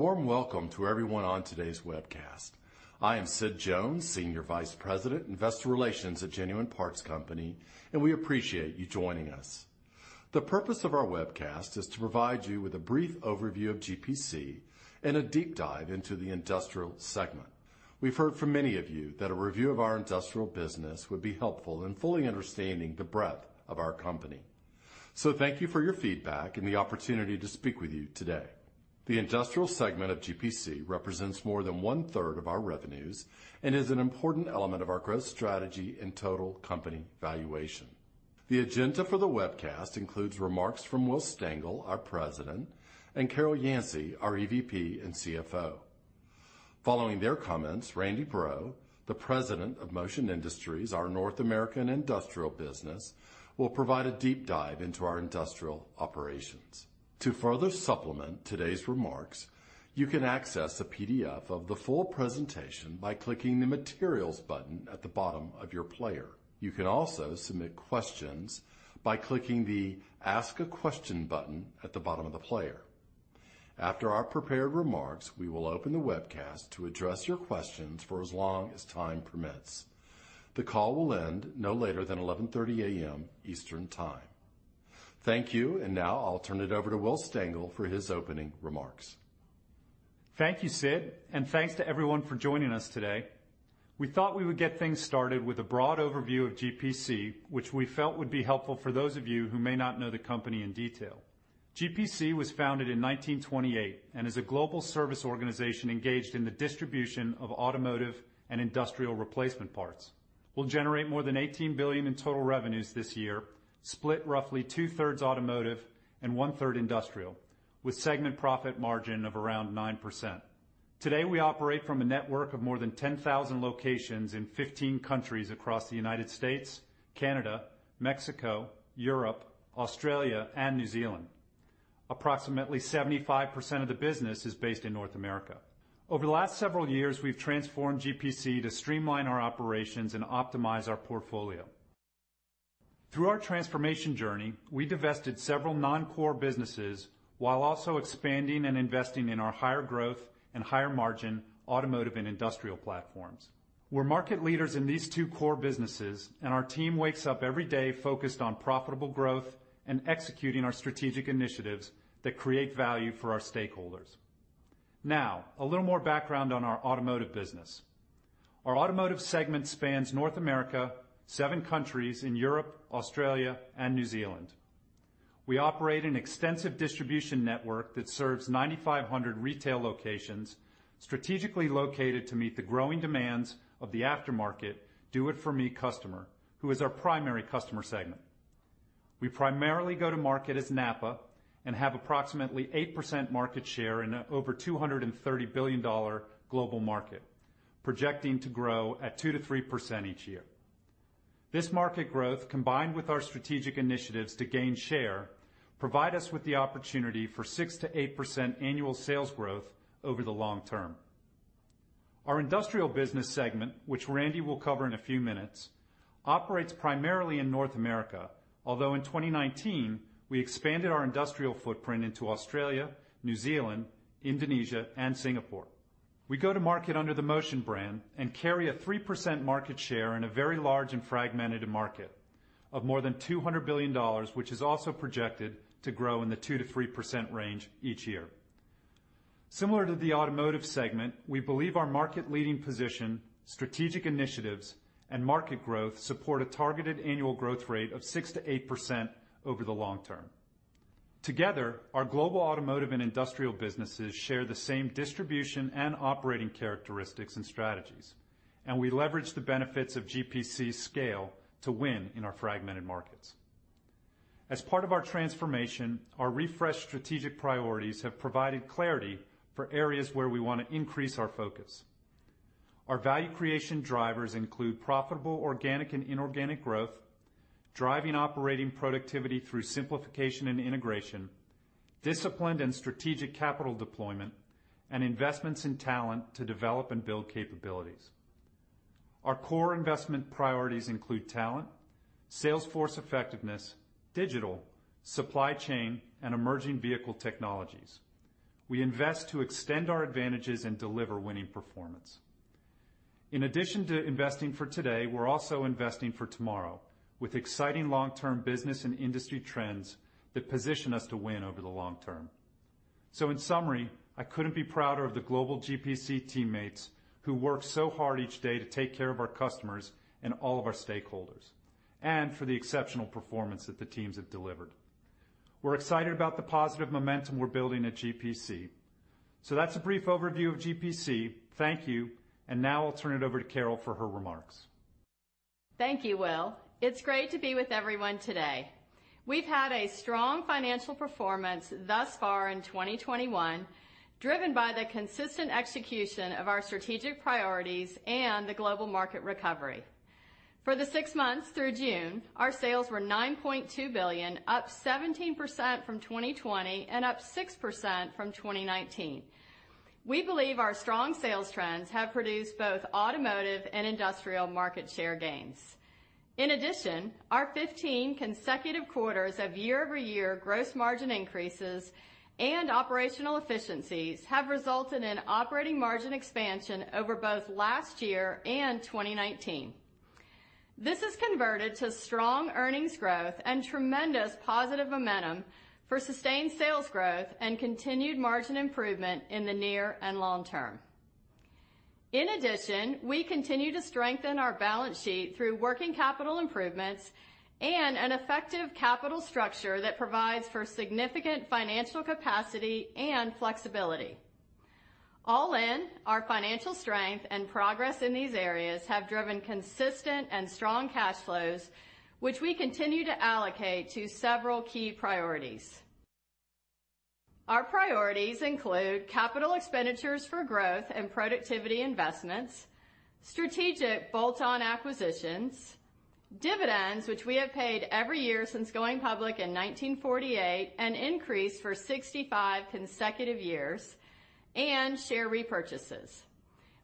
A warm welcome to everyone on today's webcast. I am Sid Jones, Senior Vice President, Investor Relations at Genuine Parts Company, and we appreciate you joining us. The purpose of our webcast is to provide you with a brief overview of GPC and a deep dive into the industrial segment. We've heard from many of you that a review of our industrial business would be helpful in fully understanding the breadth of our company. Thank you for your feedback and the opportunity to speak with you today. The industrial segment of GPC represents more than 1/3 of our revenues and is an important element of our growth strategy and total company valuation. The agenda for the webcast includes remarks from Will Stengel, our President, and Carol Yancey, our EVP and CFO. Following their comments, Randy Breaux, the President of Motion Industries, our North American industrial business, will provide a deep dive into our industrial operations. To further supplement today's remarks, you can access a PDF of the full presentation by clicking the Materials button at the bottom of your player. You can also submit questions by clicking the Ask a Question button at the bottom of the player. After our prepared remarks, we will open the webcast to address your questions for as long as time permits. The call will end no later than 11:30 A.M. Eastern Time. Thank you. Now I'll turn it over to Will Stengel for his opening remarks. Thank you, Sid, and thanks to everyone for joining us today. We thought we would get things started with a broad overview of GPC, which we felt would be helpful for those of you who may not know the company in detail. GPC was founded in 1928 and is a global service organization engaged in the distribution of automotive and industrial replacement parts. We will generate more than $18 billion in total revenues this year, split roughly 2/3 automotive and 1/3 industrial, with segment profit margin of around 9%. Today, we operate from a network of more than 10,000 locations in 15 countries across the United States, Canada, Mexico, Europe, Australia, and New Zealand. Approximately 75% of the business is based in North America. Over the last several years, we have transformed GPC to streamline our operations and optimize our portfolio. Through our transformation journey, we divested several non-core businesses while also expanding and investing in our higher growth and higher margin automotive and industrial platforms. We're market leaders in these two core businesses, and our team wakes up every day focused on profitable growth and executing our strategic initiatives that create value for our stakeholders. A little more background on our automotive business. Our automotive segment spans North America, seven countries in Europe, Australia, and New Zealand. We operate an extensive distribution network that serves 9,500 retail locations, strategically located to meet the growing demands of the aftermarket Do It For Me customer, who is our primary customer segment. We primarily go to market as NAPA and have approximately 8% market share in an over $230 billion global market, projecting to grow at 2%-3% each year. This market growth, combined with our strategic initiatives to gain share, provide us with the opportunity for 6%-8% annual sales growth over the long term. Our industrial business segment, which Randy will cover in a few minutes, operates primarily in North America. Although in 2019, we expanded our industrial footprint into Australia, New Zealand, Indonesia, and Singapore. We go to market under the Motion brand and carry a 3% market share in a very large and fragmented market of more than $200 billion, which is also projected to grow in the 2%-3% range each year. Similar to the automotive segment, we believe our market-leading position, strategic initiatives, and market growth support a targeted annual growth rate of 6%-8% over the long term. Together, our global automotive and industrial businesses share the same distribution and operating characteristics and strategies, and we leverage the benefits of GPC's scale to win in our fragmented markets. As part of our transformation, our refreshed strategic priorities have provided clarity for areas where we want to increase our focus. Our value creation drivers include profitable organic and inorganic growth, driving operating productivity through simplification and integration, disciplined and strategic capital deployment, and investments in talent to develop and build capabilities. Our core investment priorities include talent, sales force effectiveness, digital, supply chain, and emerging vehicle technologies. We invest to extend our advantages and deliver winning performance. In addition to investing for today, we're also investing for tomorrow with exciting long-term business and industry trends that position us to win over the long term. In summary, I couldn't be prouder of the global GPC teammates who work so hard each day to take care of our customers and all of our stakeholders, and for the exceptional performance that the teams have delivered. We're excited about the positive momentum we're building at GPC. That's a brief overview of GPC. Thank you, and now I'll turn it over to Carol for her remarks. Thank you, Will. It's great to be with everyone today. We've had a strong financial performance thus far in 2021, driven by the consistent execution of our strategic priorities and the global market recovery. For the six months through June, our sales were $9.2 billion, up 17% from 2020 and up 6% from 2019. We believe our strong sales trends have produced both automotive and industrial market share gains. In addition, our 15 consecutive quarters of year-over-year gross margin increases and operational efficiencies have resulted in operating margin expansion over both last year and 2019. This has converted to strong earnings growth and tremendous positive momentum for sustained sales growth and continued margin improvement in the near and long term. In addition, we continue to strengthen our balance sheet through working capital improvements and an effective capital structure that provides for significant financial capacity and flexibility. All in, our financial strength and progress in these areas have driven consistent and strong cash flows, which we continue to allocate to several key priorities. Our priorities include capital expenditures for growth and productivity investments, strategic bolt-on acquisitions, dividends, which we have paid every year since going public in 1948 and increased for 65 consecutive years, and share repurchases.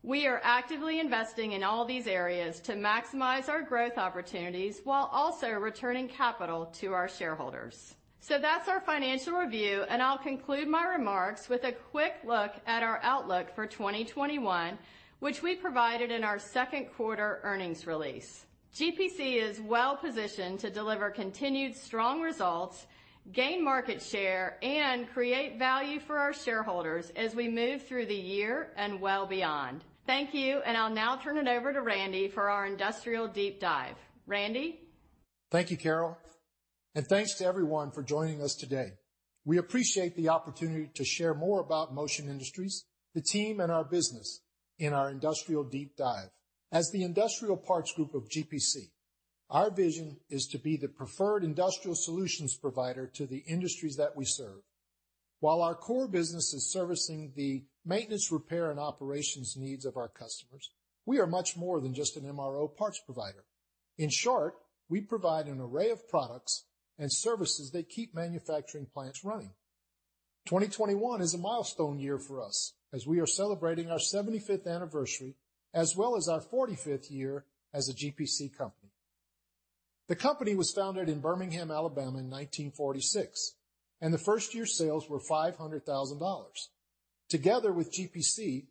We are actively investing in all these areas to maximize our growth opportunities while also returning capital to our shareholders. That's our financial review, and I'll conclude my remarks with a quick look at our outlook for 2021, which we provided in our second quarter earnings release. GPC is well-positioned to deliver continued strong results, gain market share, and create value for our shareholders as we move through the year and well beyond. Thank you, and I'll now turn it over to Randy for our Industrial Deep Dive. Randy? Thank you, Carol, and thanks to everyone for joining us today. We appreciate the opportunity to share more about Motion Industries, the team, and our business in our Industrial Deep Dive. As the industrial parts group of GPC, our vision is to be the preferred industrial solutions provider to the industries that we serve. While our core business is servicing the maintenance, repair, and operations needs of our customers, we are much more than just an MRO parts provider. In short, we provide an array of products and services that keep manufacturing plants running. 2021 is a milestone year for us as we are celebrating our 75th anniversary as well as our 45th year as a GPC company. The company was founded in Birmingham, Alabama, in 1946, and the first-year sales were $500,000. Together with GPC,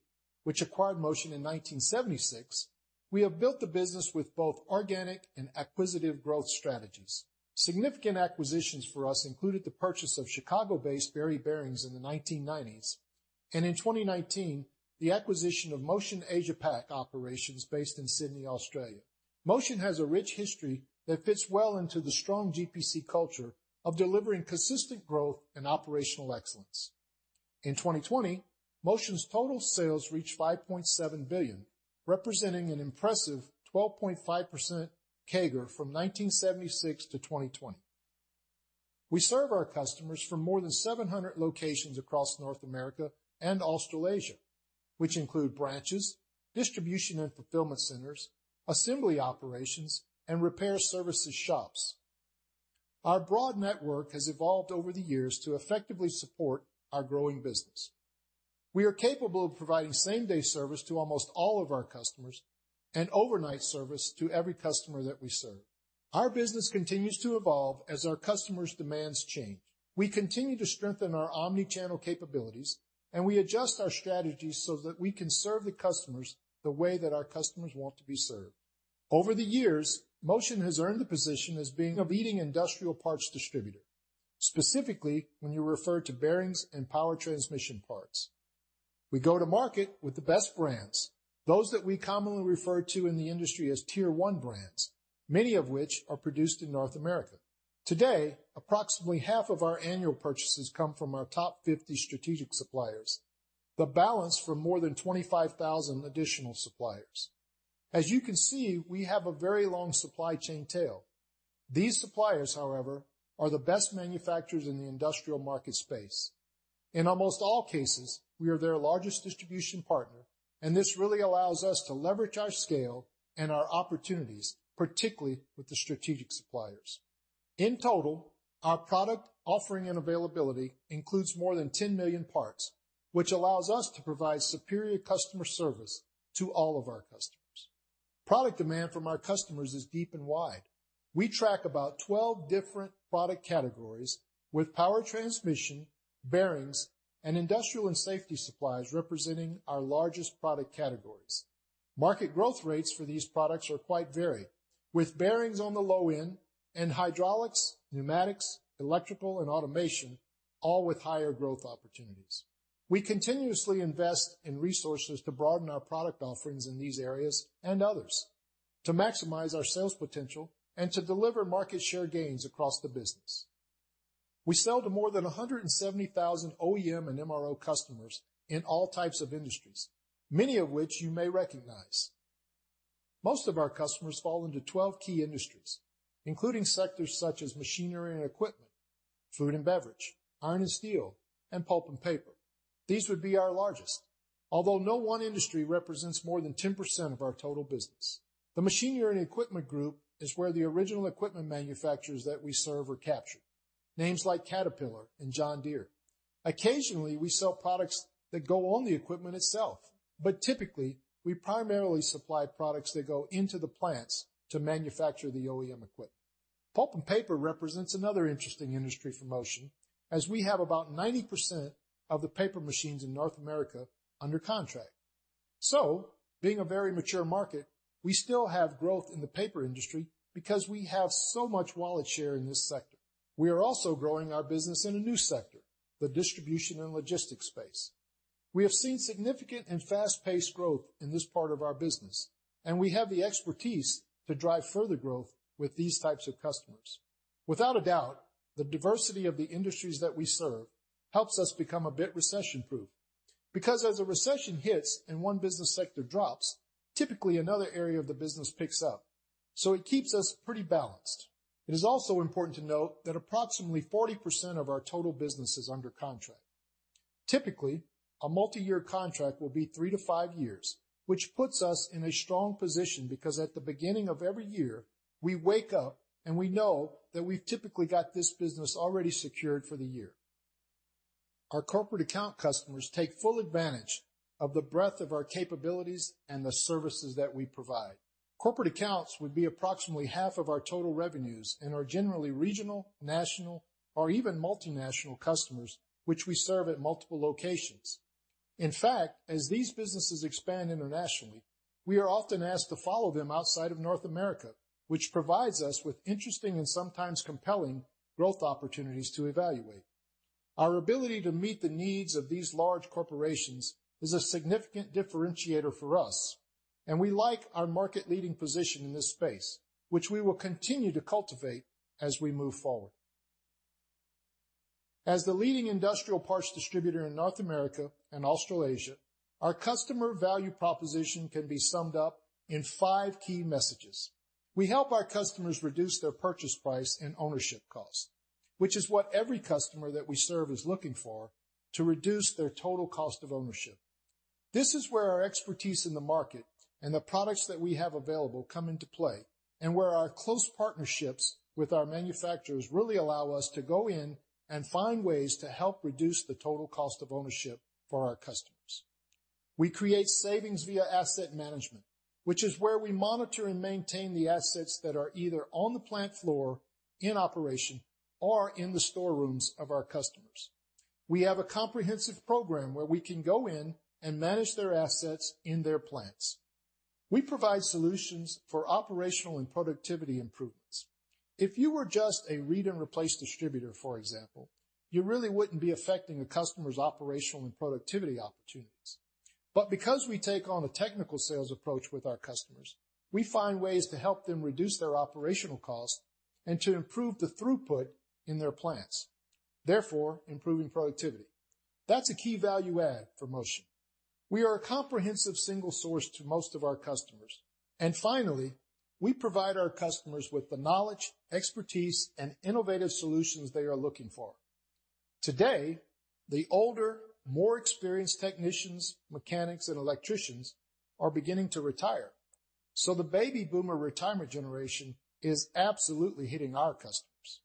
which acquired Motion in 1976, we have built the business with both organic and acquisitive growth strategies. Significant acquisitions for us included the purchase of Chicago-based Berry Bearing Co. in the 1990s, and in 2019, the acquisition of Motion Asia Pac operations based in Sydney, Australia. Motion has a rich history that fits well into the strong GPC culture of delivering consistent growth and operational excellence. In 2020, Motion's total sales reached $5.7 billion, representing an impressive 12.5% CAGR from 1976 to 2020. We serve our customers from more than 700 locations across North America and Australasia, which include branches, distribution and fulfillment centers, assembly operations, and repair services shops. Our broad network has evolved over the years to effectively support our growing business. We are capable of providing same-day service to almost all of our customers and overnight service to every customer that we serve. Our business continues to evolve as our customers' demands change. We continue to strengthen our omnichannel capabilities, and we adjust our strategies so that we can serve the customers the way that our customers want to be served. Over the years, Motion has earned the position as being a leading industrial parts distributor, specifically when you refer to bearings and power transmission parts. We go to market with the best brands, those that we commonly refer to in the industry as Tier 1 brands, many of which are produced in North America. Today, approximately half of our annual purchases come from our top 50 strategic suppliers, the balance from more than 25,000 additional suppliers. As you can see, we have a very long supply chain tail. These suppliers, however, are the best manufacturers in the industrial market space. In almost all cases, we are their largest distribution partner, and this really allows us to leverage our scale and our opportunities, particularly with the strategic suppliers. In total, our product offering and availability includes more than 10 million parts, which allows us to provide superior customer service to all of our customers. Product demand from our customers is deep and wide. We track about 12 different product categories, with power transmission, bearings, and industrial and safety supplies representing our largest product categories. Market growth rates for these products are quite varied, with bearings on the low end and hydraulics, pneumatics, electrical, and automation, all with higher growth opportunities. We continuously invest in resources to broaden our product offerings in these areas and others to maximize our sales potential and to deliver market share gains across the business. We sell to more than 170,000 OEM and MRO customers in all types of industries, many of which you may recognize. Most of our customers fall into 12 key industries, including sectors such as machinery and equipment, food and beverage, iron and steel, and pulp and paper. These would be our largest, although no one industry represents more than 10% of our total business. The machinery and equipment group is where the original equipment manufacturers that we serve are captured. Names like Caterpillar and John Deere. Occasionally, we sell products that go on the equipment itself, but typically, we primarily supply products that go into the plants to manufacture the OEM equipment. Pulp and paper represents another interesting industry for Motion, as we have about 90% of the paper machines in North America under contract. Being a very mature market, we still have growth in the paper industry because we have so much wallet share in this sector. We are also growing our business in a new sector, the distribution and logistics space. We have seen significant and fast-paced growth in this part of our business, and we have the expertise to drive further growth with these types of customers. Without a doubt, the diversity of the industries that we serve helps us become a bit recession-proof, because as a recession hits and one business sector drops, typically another area of the business picks up. It keeps us pretty balanced. It is also important to note that approximately 40% of our total business is under contract. Typically, a multi-year contract will be three to five years, which puts us in a strong position because at the beginning of every year, we wake up and we know that we've typically got this business already secured for the year. Our corporate account customers take full advantage of the breadth of our capabilities and the services that we provide. Corporate accounts would be approximately half of our total revenues and are generally regional, national, or even multinational customers, which we serve at multiple locations. In fact, as these businesses expand internationally, we are often asked to follow them outside of North America, which provides us with interesting and sometimes compelling growth opportunities to evaluate. Our ability to meet the needs of these large corporations is a significant differentiator for us, and we like our market-leading position in this space, which we will continue to cultivate as we move forward. As the leading industrial parts distributor in North America and Australasia, our customer value proposition can be summed up in five key messages. We help our customers reduce their purchase price and ownership cost, which is what every customer that we serve is looking for, to reduce their total cost of ownership. This is where our expertise in the market and the products that we have available come into play, where our close partnerships with our manufacturers really allow us to go in and find ways to help reduce the total cost of ownership for our customers. We create savings via asset management, which is where we monitor and maintain the assets that are either on the plant floor in operation or in the storerooms of our customers. We have a comprehensive program where we can go in and manage their assets in their plants. We provide solutions for operational and productivity improvements. If you were just a read and replace distributor, for example, you really wouldn't be affecting a customer's operational and productivity opportunities. Because we take on a technical sales approach with our customers, we find ways to help them reduce their operational cost and to improve the throughput in their plants, therefore improving productivity. That's a key value add for Motion. We are a comprehensive single source to most of our customers. Finally, we provide our customers with the knowledge, expertise, and innovative solutions they are looking for. Today, the older, more experienced technicians, mechanics, and electricians are beginning to retire. The baby boomer retirement generation is absolutely hitting our customers.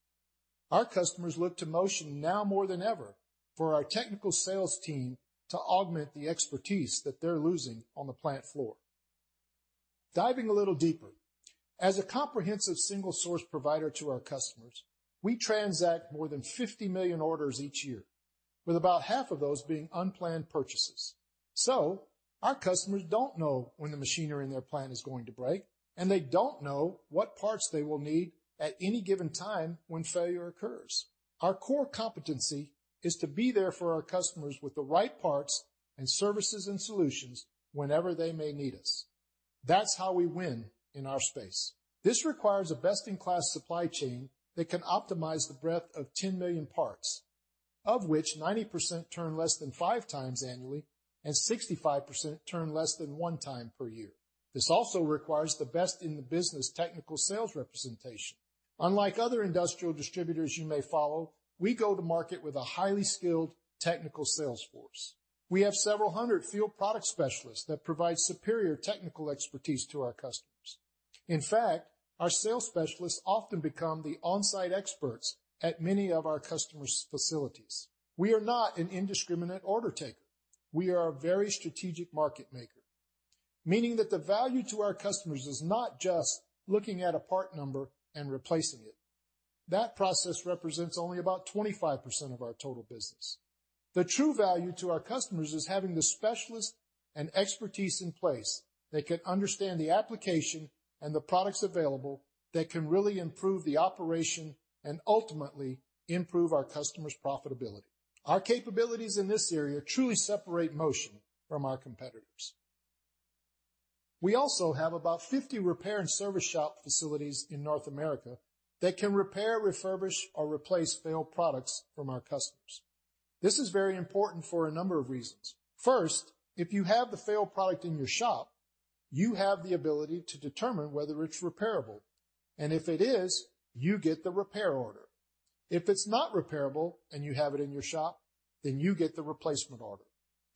Our customers look to Motion now more than ever for our technical sales team to augment the expertise that they're losing on the plant floor. Diving a little deeper. As a comprehensive single source provider to our customers, we transact more than 50 million orders each year, with about half of those being unplanned purchases. Our customers don't know when the machinery in their plant is going to break, and they don't know what parts they will need at any given time when failure occurs. Our core competency is to be there for our customers with the right parts and services and solutions whenever they may need us. That's how we win in our space. This requires a best-in-class supply chain that can optimize the breadth of 10 million parts, of which 90% turn less than five times annually and 65% turn less than one time per year. This also requires the best in the business technical sales representation. Unlike other industrial distributors you may follow, we go to market with a highly skilled technical sales force. We have several hundred field product specialists that provide superior technical expertise to our customers. In fact, our sales specialists often become the on-site experts at many of our customers' facilities. We are not an indiscriminate order taker. We are a very strategic market maker, meaning that the value to our customers is not just looking at a part number and replacing it. That process represents only about 25% of our total business. The true value to our customers is having the specialist and expertise in place that can understand the application and the products available that can really improve the operation and ultimately improve our customers' profitability. Our capabilities in this area truly separate Motion from our competitors. We also have about 50 repair and service shop facilities in North America that can repair, refurbish, or replace failed products from our customers. This is very important for a number of reasons. First, if you have the failed product in your shop, you have the ability to determine whether it's repairable, and if it is, you get the repair order. If it's not repairable and you have it in your shop, then you get the replacement order.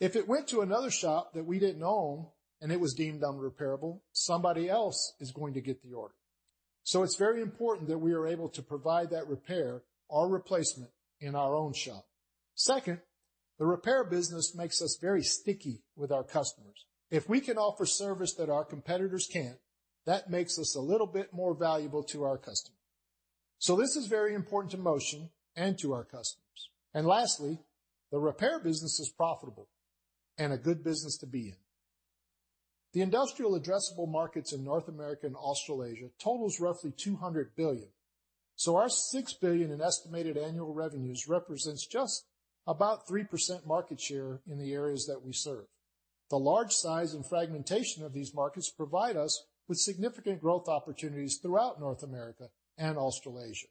If it went to another shop that we didn't own and it was deemed unrepairable, somebody else is going to get the order. It's very important that we are able to provide that repair or replacement in our own shop. Second, the repair business makes us very sticky with our customers. If we can offer service that our competitors can't, that makes us a little bit more valuable to our customer. This is very important to Motion and to our customers. Lastly, the repair business is profitable and a good business to be in. The industrial addressable markets in North America and Australasia totals roughly $200 billion. Our $6 billion in estimated annual revenues represents just about 3% market share in the areas that we serve. The large size and fragmentation of these markets provide us with significant growth opportunities throughout North America and Australasia.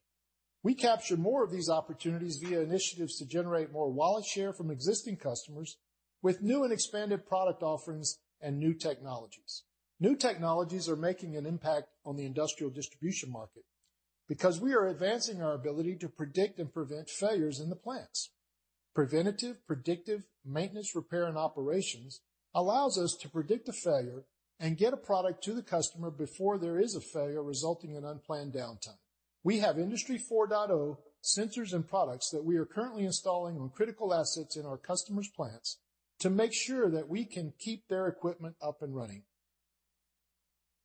We capture more of these opportunities via initiatives to generate more wallet share from existing customers with new and expanded product offerings and new technologies. New technologies are making an impact on the industrial distribution market because we are advancing our ability to predict and prevent failures in the plants. Preventative, predictive maintenance, repair, and operations allows us to predict a failure and get a product to the customer before there is a failure resulting in unplanned downtime. We have Industry 4.0 sensors and products that we are currently installing on critical assets in our customers' plants to make sure that we can keep their equipment up and running.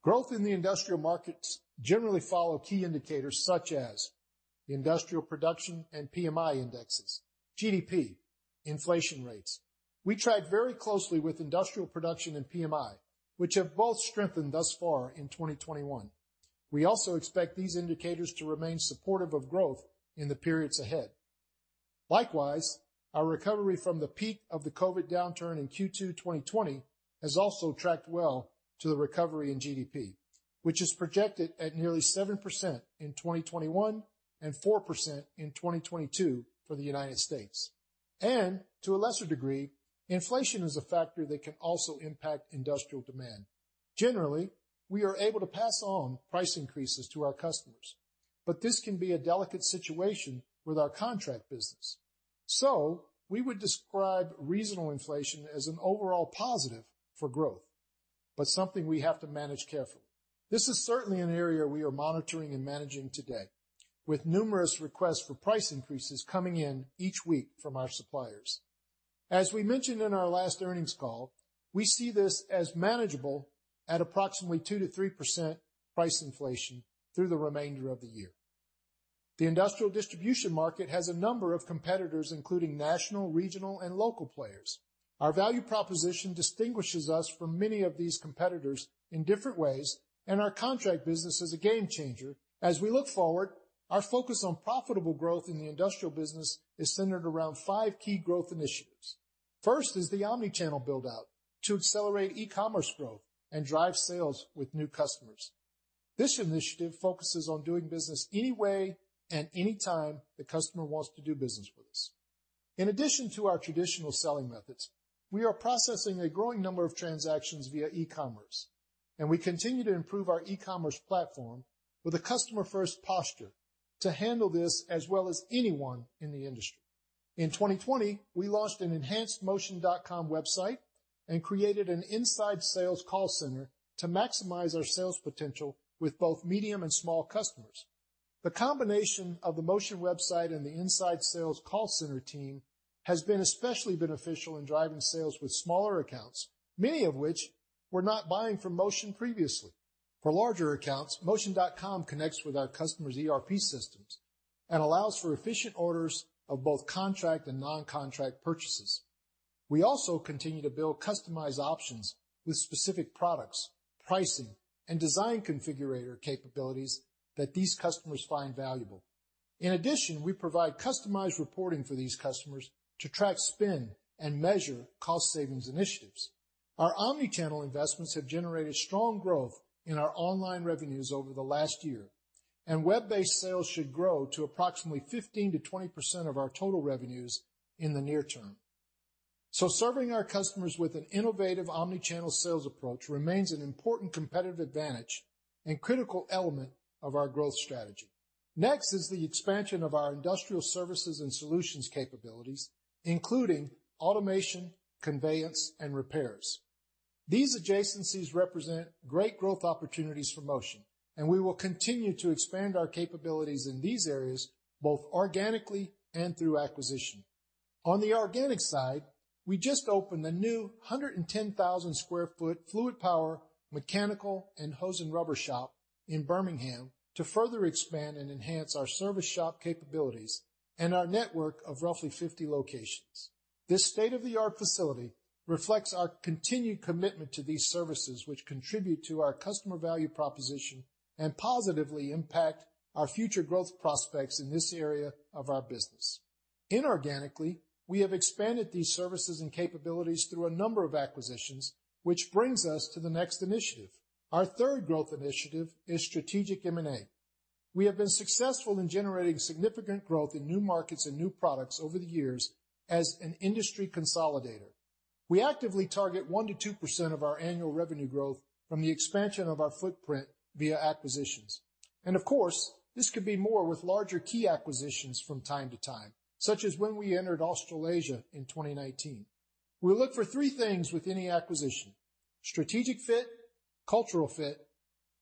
Growth in the industrial markets generally follow key indicators such as industrial production and PMI indexes, GDP, inflation rates. We track very closely with industrial production and PMI, which have both strengthened thus far in 2021. We also expect these indicators to remain supportive of growth in the periods ahead. Likewise, our recovery from the peak of the COVID downturn in Q2 2020 has also tracked well to the recovery in GDP, which is projected at nearly 7% in 2021 and 4% in 2022 for the United States. To a lesser degree, inflation is a factor that can also impact industrial demand. Generally, we are able to pass on price increases to our customers, but this can be a delicate situation with our contract business. We would describe regional inflation as an overall positive for growth, but something we have to manage carefully. This is certainly an area we are monitoring and managing today with numerous requests for price increases coming in each week from our suppliers. As we mentioned in our last earnings call, we see this as manageable at approximately 2%-3% price inflation through the remainder of the year. The industrial distribution market has a number of competitors, including national, regional, and local players. Our value proposition distinguishes us from many of these competitors in different ways, and our contract business is a game changer. As we look forward, our focus on profitable growth in the industrial business is centered around five key growth initiatives. First is the omnichannel build-out to accelerate e-commerce growth and drive sales with new customers. This initiative focuses on doing business any way and any time the customer wants to do business with us. In addition to our traditional selling methods, we are processing a growing number of transactions via e-commerce, and we continue to improve our e-commerce platform with a customer-first posture to handle this as well as anyone in the industry. In 2020, we launched an enhanced motion.com website and created an inside sales call center to maximize our sales potential with both medium and small customers. The combination of the Motion website and the inside sales call center team has been especially beneficial in driving sales with smaller accounts, many of which were not buying from Motion previously. For larger accounts, motion.com connects with our customers' ERP systems and allows for efficient orders of both contract and non-contract purchases. We also continue to build customized options with specific products, pricing, and design configurator capabilities that these customers find valuable. We provide customized reporting for these customers to track spend and measure cost savings initiatives. Our omnichannel investments have generated strong growth in our online revenues over the last year. Web-based sales should grow to approximately 15%-20% of our total revenues in the near term. Serving our customers with an innovative omnichannel sales approach remains an important competitive advantage and critical element of our growth strategy. Next is the expansion of our industrial services and solutions capabilities, including automation, conveyance, and repairs. These adjacencies represent great growth opportunities for Motion, and we will continue to expand our capabilities in these areas, both organically and through acquisition. On the organic side, we just opened a new 110,000 sq ft fluid power, mechanical, and hose and rubber shop in Birmingham to further expand and enhance our service shop capabilities and our network of roughly 50 locations. This state-of-the-art facility reflects our continued commitment to these services, which contribute to our customer value proposition and positively impact our future growth prospects in this area of our business. Inorganically, we have expanded these services and capabilities through a number of acquisitions, which brings us to the next initiative. Our third growth initiative is strategic M&A. We have been successful in generating significant growth in new markets and new products over the years as an industry consolidator. We actively target 1%-2% of our annual revenue growth from the expansion of our footprint via acquisitions. Of course, this could be more with larger key acquisitions from time to time, such as when we entered Australasia in 2019. We look for three things with any acquisition, strategic fit, cultural fit,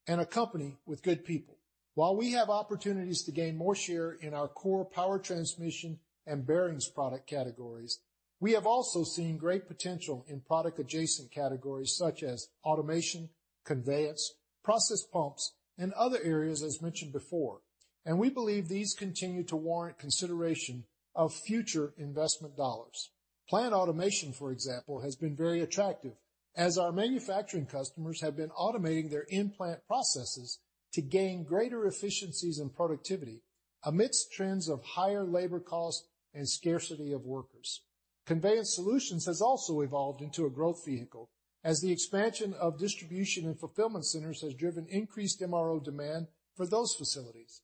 and a company with good people. While we have opportunities to gain more share in our core power transmission and bearings product categories, we have also seen great potential in product adjacent categories such as automation, conveyance, process pumps, and other areas as mentioned before, and we believe these continue to warrant consideration of future investment dollars. Plant automation, for example, has been very attractive as our manufacturing customers have been automating their in-plant processes to gain greater efficiencies in productivity amidst trends of higher labor costs and scarcity of workers. Conveyance solutions has also evolved into a growth vehicle as the expansion of distribution and fulfillment centers has driven increased MRO demand for those facilities.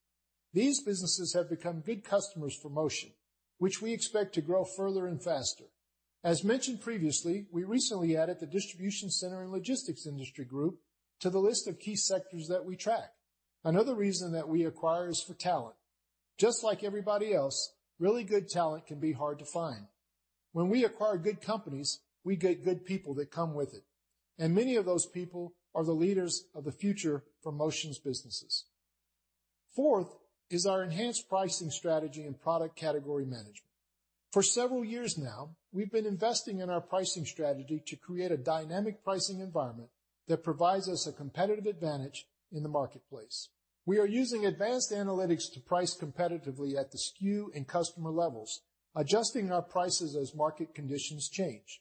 These businesses have become good customers for Motion, which we expect to grow further and faster. As mentioned previously, we recently added the distribution center and logistics industry group to the list of key sectors that we track. Another reason that we acquire is for talent. Just like everybody else, really good talent can be hard to find. When we acquire good companies, we get good people that come with it, and many of those people are the leaders of the future for Motion's businesses. Fourth is our enhanced pricing strategy and product category management. For several years now, we've been investing in our pricing strategy to create a dynamic pricing environment that provides us a competitive advantage in the marketplace. We are using advanced analytics to price competitively at the SKU and customer levels, adjusting our prices as market conditions change.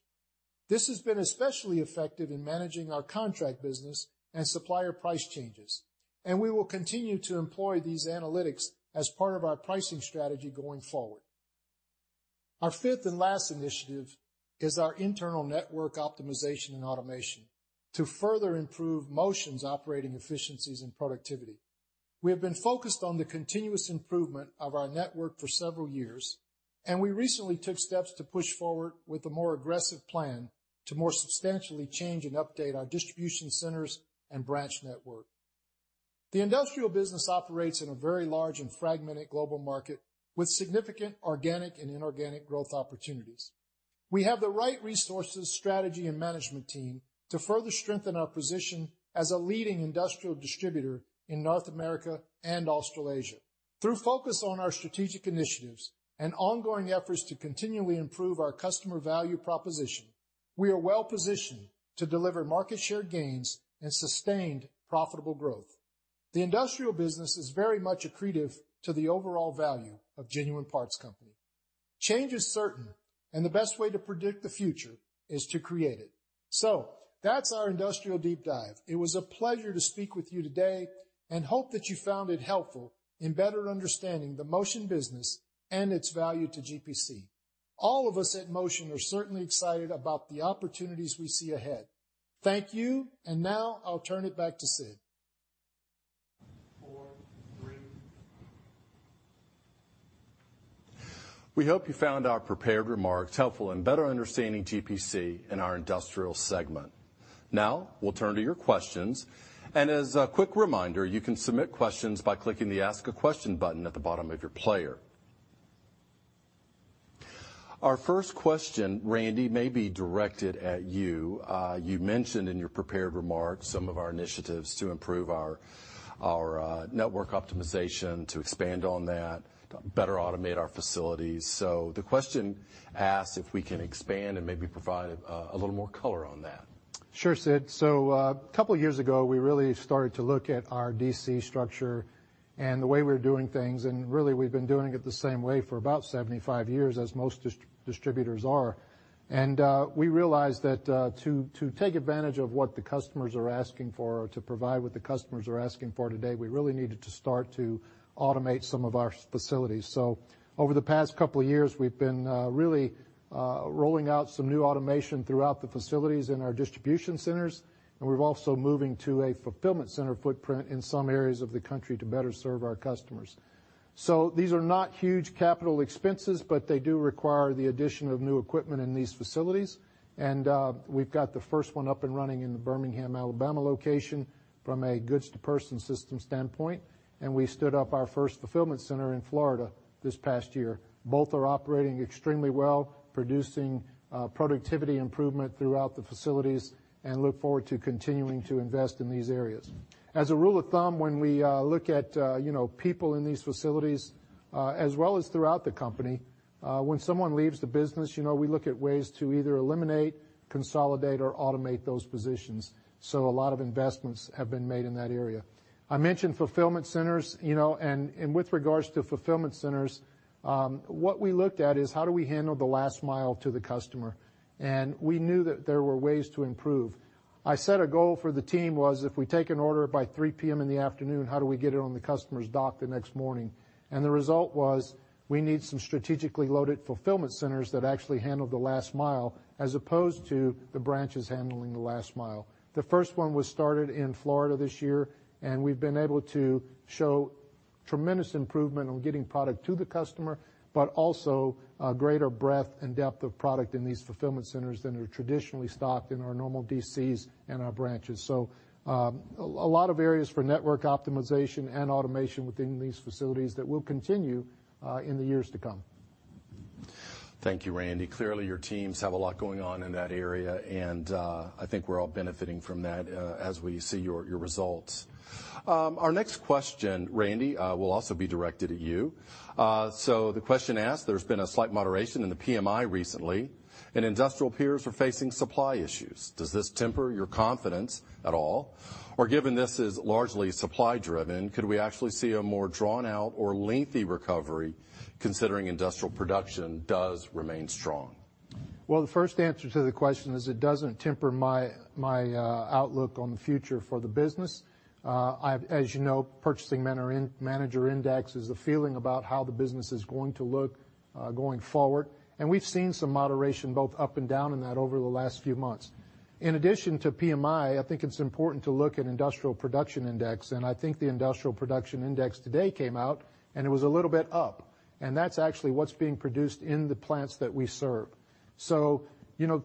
This has been especially effective in managing our contract business and supplier price changes, and we will continue to employ these analytics as part of our pricing strategy going forward. Our fifth and last initiative is our internal network optimization and automation to further improve Motion's operating efficiencies and productivity. We have been focused on the continuous improvement of our network for several years, and we recently took steps to push forward with a more aggressive plan to more substantially change and update our distribution centers and branch network. The industrial business operates in a very large and fragmented global market with significant organic and inorganic growth opportunities. We have the right resources, strategy, and management team to further strengthen our position as a leading industrial distributor in North America and Australasia. Through focus on our strategic initiatives and ongoing efforts to continually improve our customer value proposition, we are well-positioned to deliver market share gains and sustained profitable growth. The industrial business is very much accretive to the overall value of Genuine Parts Company. Change is certain, and the best way to predict the future is to create it. That's our Industrial Deep Dive. It was a pleasure to speak with you today and hope that you found it helpful in better understanding the Motion business and its value to GPC. All of us at Motion are certainly excited about the opportunities we see ahead. Thank you. Now I'll turn it back to Sid. We hope you found our prepared remarks helpful in better understanding GPC and our industrial segment. We'll turn to your questions, and as a quick reminder, you can submit questions by clicking the Ask a Question button at the bottom of your player. Our first question, Randy, may be directed at you. You mentioned in your prepared remarks some of our initiatives to improve our network optimization, to expand on that, to better automate our facilities. The question asks if we can expand and maybe provide a little more color on that. Sure, Sid. Couple of years ago, we really started to look at our DC structure and the way we're doing things, and really, we've been doing it the same way for about 75 years as most distributors are. We realized that, to take advantage of what the customers are asking for or to provide what the customers are asking for today, we really needed to start to automate some of our facilities. Over the past couple of years, we've been really rolling out some new automation throughout the facilities in our distribution centers, and we're also moving to a fulfillment center footprint in some areas of the country to better serve our customers. These are not huge capital expenses, but they do require the addition of new equipment in these facilities. We've got the first one up and running in the Birmingham, Alabama location from a goods-to-person system standpoint, and we stood up our first fulfillment center in Florida this past year. Both are operating extremely well, producing productivity improvement throughout the facilities and look forward to continuing to invest in these areas. As a rule of thumb, when we look at people in these facilities, as well as throughout the company, when someone leaves the business, we look at ways to either eliminate, consolidate, or automate those positions. A lot of investments have been made in that area. I mentioned fulfillment centers, and with regards to fulfillment centers, what we looked at is how do we handle the last mile to the customer? We knew that there were ways to improve. I set a goal for the team was if we take an order by 3:00 P.M. in the afternoon, how do we get it on the customer's dock the next morning? The result was, we need some strategically loaded fulfillment centers that actually handle the last mile, as opposed to the branches handling the last mile. The first one was started in Florida this year, and we've been able to show tremendous improvement on getting product to the customer, but also a greater breadth and depth of product in these fulfillment centers than are traditionally stocked in our normal DCs and our branches. A lot of areas for network optimization and automation within these facilities that will continue in the years to come. Thank you, Randy. Clearly, your teams have a lot going on in that area, and I think we're all benefiting from that as we see your results. Our next question, Randy, will also be directed at you. The question asks, "There's been a slight moderation in the PMI recently, and industrial peers are facing supply issues. Does this temper your confidence at all? Or given this is largely supply driven, could we actually see a more drawn out or lengthy recovery, considering industrial production does remain strong?" Well, the first answer to the question is it doesn't temper my outlook on the future for the business. As you know, Purchasing Manager Index is the feeling about how the business is going to look going forward. We've seen some moderation both up and down in that over the last few months. In addition to PMI, I think it's important to look at Industrial Production Index. I think the Industrial Production Index today came out. It was a little bit up. That's actually what's being produced in the plants that we serve.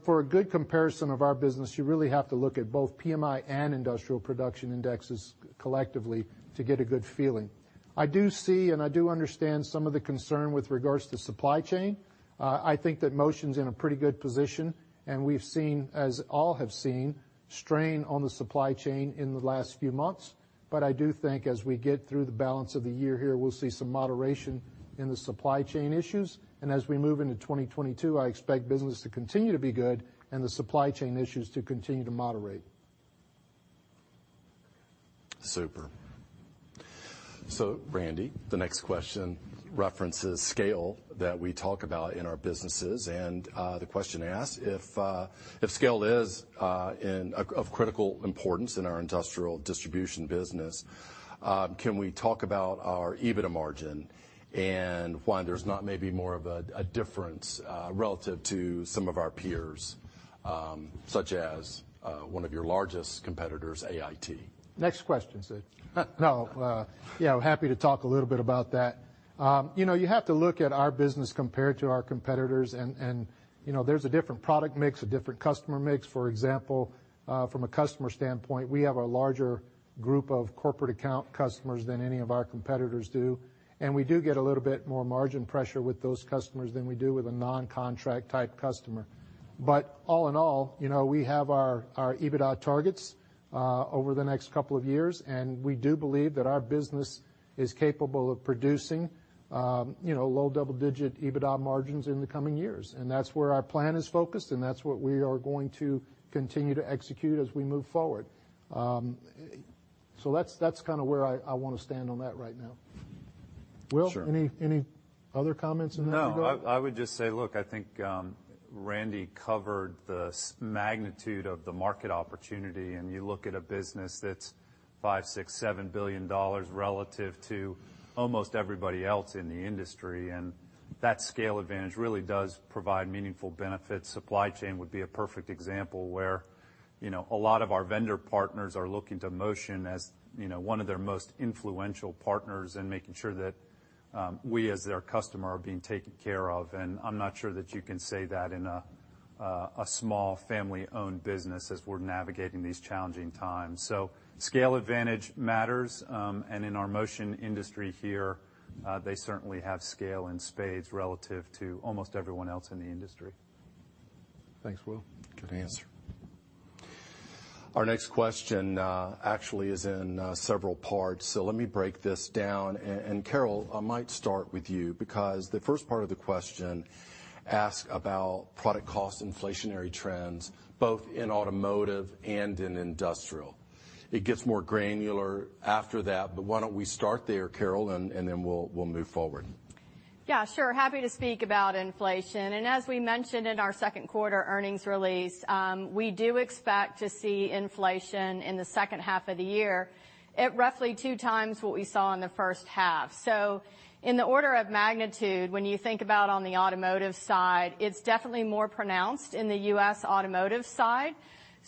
For a good comparison of our business, you really have to look at both PMI and Industrial Production Indexes collectively to get a good feeling. I do see and I do understand some of the concern with regards to supply chain. I think that Motion's in a pretty good position. We've seen, as all have seen, strain on the supply chain in the last few months. I do think as we get through the balance of the year here, we'll see some moderation in the supply chain issues. As we move into 2022, I expect business to continue to be good and the supply chain issues to continue to moderate. Super. Randy, the next question references scale that we talk about in our businesses, and the question asks, "If scale is of critical importance in our industrial distribution business, can we talk about our EBITDA margin and why there's not maybe more of a difference relative to some of our peers, such as one of your largest competitors, AIT?" Next question, Sid. No. Happy to talk a little bit about that. You have to look at our business compared to our competitors and there's a different product mix, a different customer mix. For example, from a customer standpoint, we have a larger group of corporate account customers than any of our competitors do, and we do get a little bit more margin pressure with those customers than we do with a non-contract type customer. All in all, we have our EBITDA targets over the next couple of years, and we do believe that our business is capable of producing low double-digit EBITDA margins in the coming years. That's where our plan is focused, and that's what we are going to continue to execute as we move forward. That's kind of where I want to stand on that right now. Will- Sure Any other comments in there you go? No, I would just say, look, I think Randy covered the magnitude of the market opportunity, and you look at a business that's $5, $6, $7 billion relative to almost everybody else in the industry, and that scale advantage really does provide meaningful benefits. Supply chain would be a perfect example where a lot of our vendor partners are looking to Motion as one of their most influential partners in making sure that we, as their customer, are being taken care of. I'm not sure that you can say that in a small family-owned business as we're navigating these challenging times. Scale advantage matters. In our Motion industry here, they certainly have scale in spades relative to almost everyone else in the industry. Thanks, Will. Good answer. Our next question actually is in several parts, so let me break this down. Carol, I might start with you because the first part of the question asks about product cost inflationary trends, both in automotive and in industrial. It gets more granular after that, but why don't we start there, Carol, and then we'll move forward. Yeah, sure. Happy to speak about inflation. As we mentioned in our second quarter earnings release, we do expect to see inflation in the second half of the year at roughly 2x what we saw in the first half. In the order of magnitude, when you think about on the automotive side, it's definitely more pronounced in the U.S. automotive side.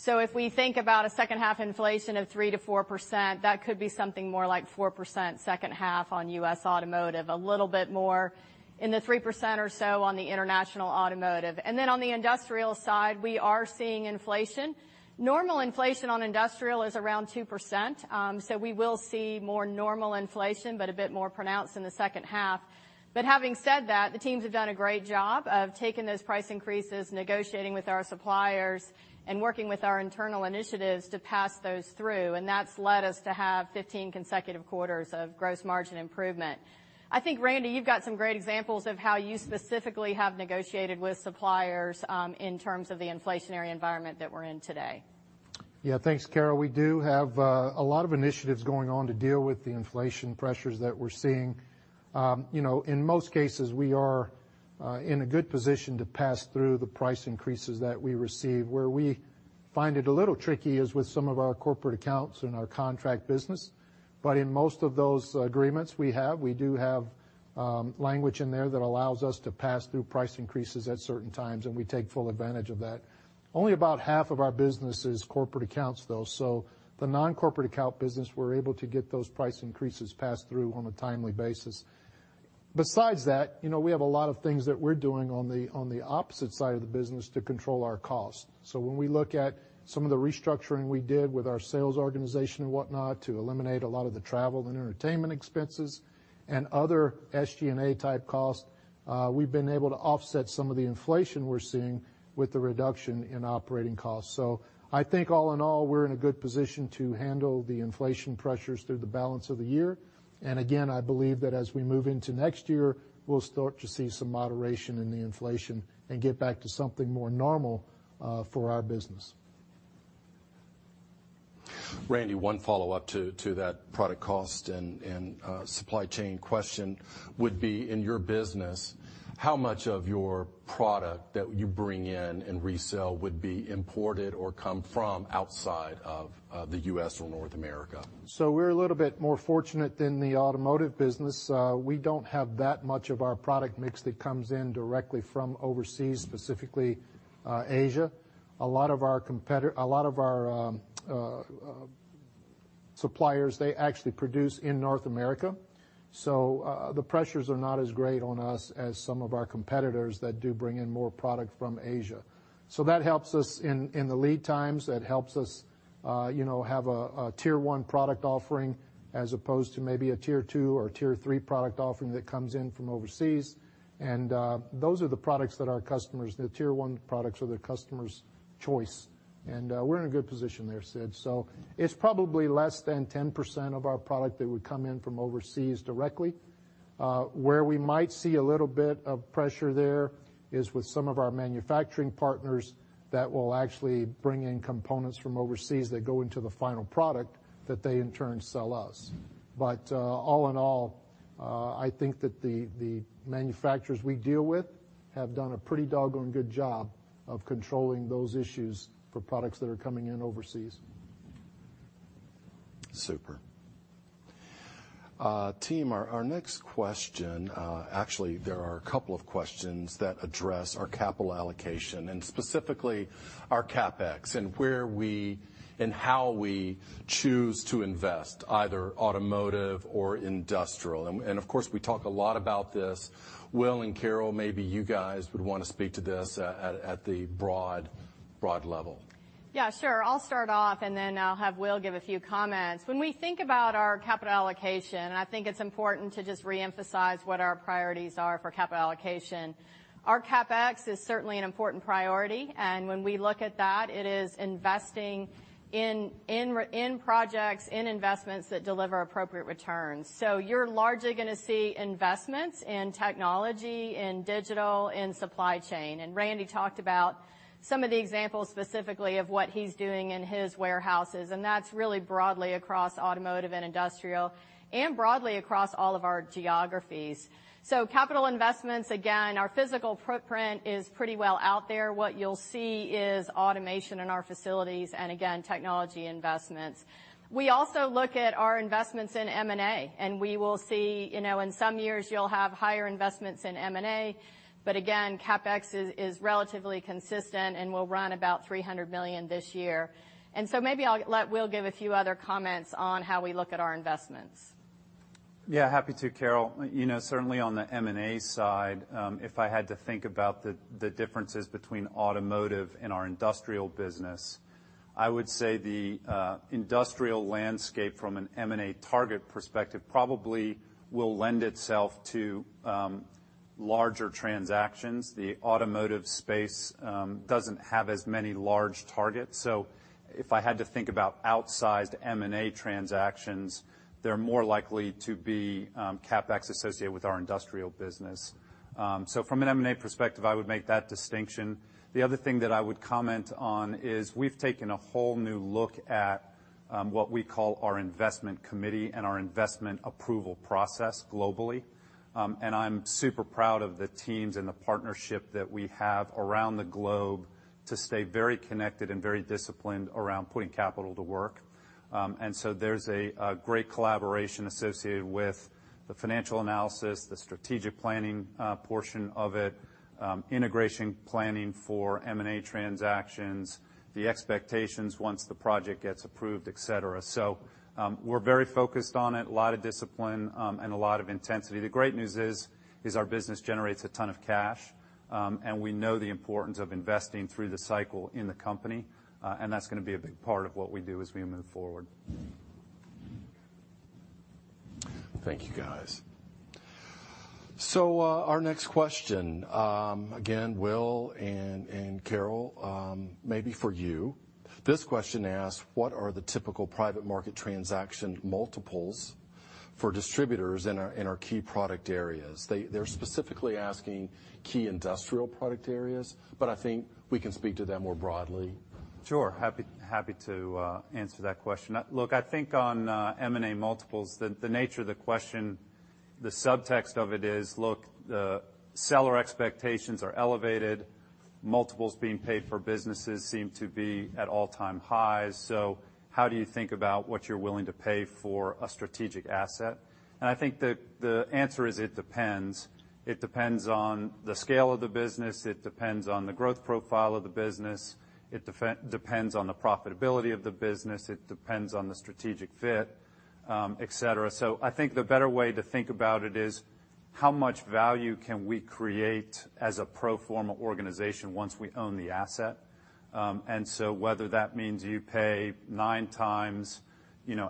If we think about a second half inflation of 3%-4%, that could be something more like 4% second half on U.S. automotive. A little bit more, in the 3% or so on the international automotive. On the industrial side, we are seeing inflation. Normal inflation on industrial is around 2%, so we will see more normal inflation, but a bit more pronounced in the second half. Having said that, the teams have done a great job of taking those price increases, negotiating with our suppliers, and working with our internal initiatives to pass those through, and that's led us to have 15 consecutive quarters of gross margin improvement. I think, Randy, you've got some great examples of how you specifically have negotiated with suppliers in terms of the inflationary environment that we're in today. Yeah, thanks, Carol. We do have a lot of initiatives going on to deal with the inflation pressures that we're seeing. In most cases, we are in a good position to pass through the price increases that we receive. Where we find it a little tricky is with some of our corporate accounts and our contract business. In most of those agreements we have, we do have language in there that allows us to pass through price increases at certain times, and we take full advantage of that. Only about half of our business is corporate accounts, though. The non-corporate account business, we're able to get those price increases passed through on a timely basis. Besides that, we have a lot of things that we're doing on the opposite side of the business to control our costs. When we look at some of the restructuring we did with our sales organization and whatnot to eliminate a lot of the travel and entertainment expenses and other SG&A-type costs, we've been able to offset some of the inflation we're seeing with the reduction in operating costs. I think all in all, we're in a good position to handle the inflation pressures through the balance of the year. Again, I believe that as we move into next year, we'll start to see some moderation in the inflation and get back to something more normal for our business. Randy, one follow-up to that product cost and supply chain question would be, in your business, how much of your product that you bring in and resell would be imported or come from outside of the U.S. or North America? We're a little bit more fortunate than the automotive business. We don't have that much of our product mix that comes in directly from overseas, specifically Asia. A lot of our suppliers, they actually produce in North America. The pressures are not as great on us as some of our competitors that do bring in more product from Asia. That helps us in the lead times. That helps us have a Tier 1 product offering as opposed to maybe a Tier 2 or Tier 3 product offering that comes in from overseas. Those are the products that our customers, the Tier 1 products are the customer's choice. We're in a good position there, Sid. It's probably less than 10% of our product that would come in from overseas directly. Where we might see a little bit of pressure there is with some of our manufacturing partners that will actually bring in components from overseas that go into the final product that they in turn sell us. All in all, I think that the manufacturers we deal with have done a pretty doggone good job of controlling those issues for products that are coming in overseas. Super. Team, our next question, actually, there are a couple of questions that address our capital allocation and specifically our CapEx and where we, and how we choose to invest, either automotive or industrial. Of course, we talk a lot about this. Will and Carol, maybe you guys would want to speak to this at the broad level? Yeah, sure. I'll start off, and then I'll have Will give a few comments. When we think about our capital allocation, I think it's important to just reemphasize what our priorities are for capital allocation. Our CapEx is certainly an important priority, and when we look at that, it is investing in projects, in investments that deliver appropriate returns. You're largely going to see investments in technology, in digital, in supply chain. Randy talked about some of the examples specifically of what he's doing in his warehouses, and that's really broadly across automotive and industrial and broadly across all of our geographies. Capital investments, again, our physical footprint is pretty well out there. What you'll see is automation in our facilities and again, technology investments. We also look at our investments in M&A, and we will see in some years you'll have higher investments in M&A, but again, CapEx is relatively consistent and will run about $300 million this year. Maybe I'll let Will give a few other comments on how we look at our investments. Yeah, happy to, Carol. Certainly, on the M&A side, if I had to think about the differences between automotive and our industrial business, I would say the industrial landscape from an M&A target perspective probably will lend itself to larger transactions. The automotive space doesn't have as many large targets. If I had to think about outsized M&A transactions, they're more likely to be CapEx associated with our industrial business. From an M&A perspective, I would make that distinction. The other thing that I would comment on is we've taken a whole new look at what we call our investment committee and our investment approval process globally. I'm super proud of the teams and the partnership that we have around the globe to stay very connected and very disciplined around putting capital to work. There's a great collaboration associated with the financial analysis, the strategic planning portion of it, integration planning for M&A transactions, the expectations once the project gets approved, et cetera. we're very focused on it, a lot of discipline, and a lot of intensity. The great news is our business generates a ton of cash, and we know the importance of investing through the cycle in the company. that's going to be a big part of what we do as we move forward. Thank you, guys. Our next question, again, Will and Carol, maybe for you. This question asks, "What are the typical private market transaction multiples for distributors in our key product areas?" They're specifically asking key industrial product areas, but I think we can speak to them more broadly. Sure. Happy to answer that question. Look, I think on M&A multiples, the nature of the question, the subtext of it is, look, the seller expectations are elevated. Multiples being paid for businesses seem to be at all-time highs. How do you think about what you're willing to pay for a strategic asset? I think the answer is, it depends. It depends on the scale of the business. It depends on the growth profile of the business. It depends on the profitability of the business. It depends on the strategic fit, et cetera. I think the better way to think about it is how much value can we create as a pro forma organization once we own the asset? Whether that means you pay nine times,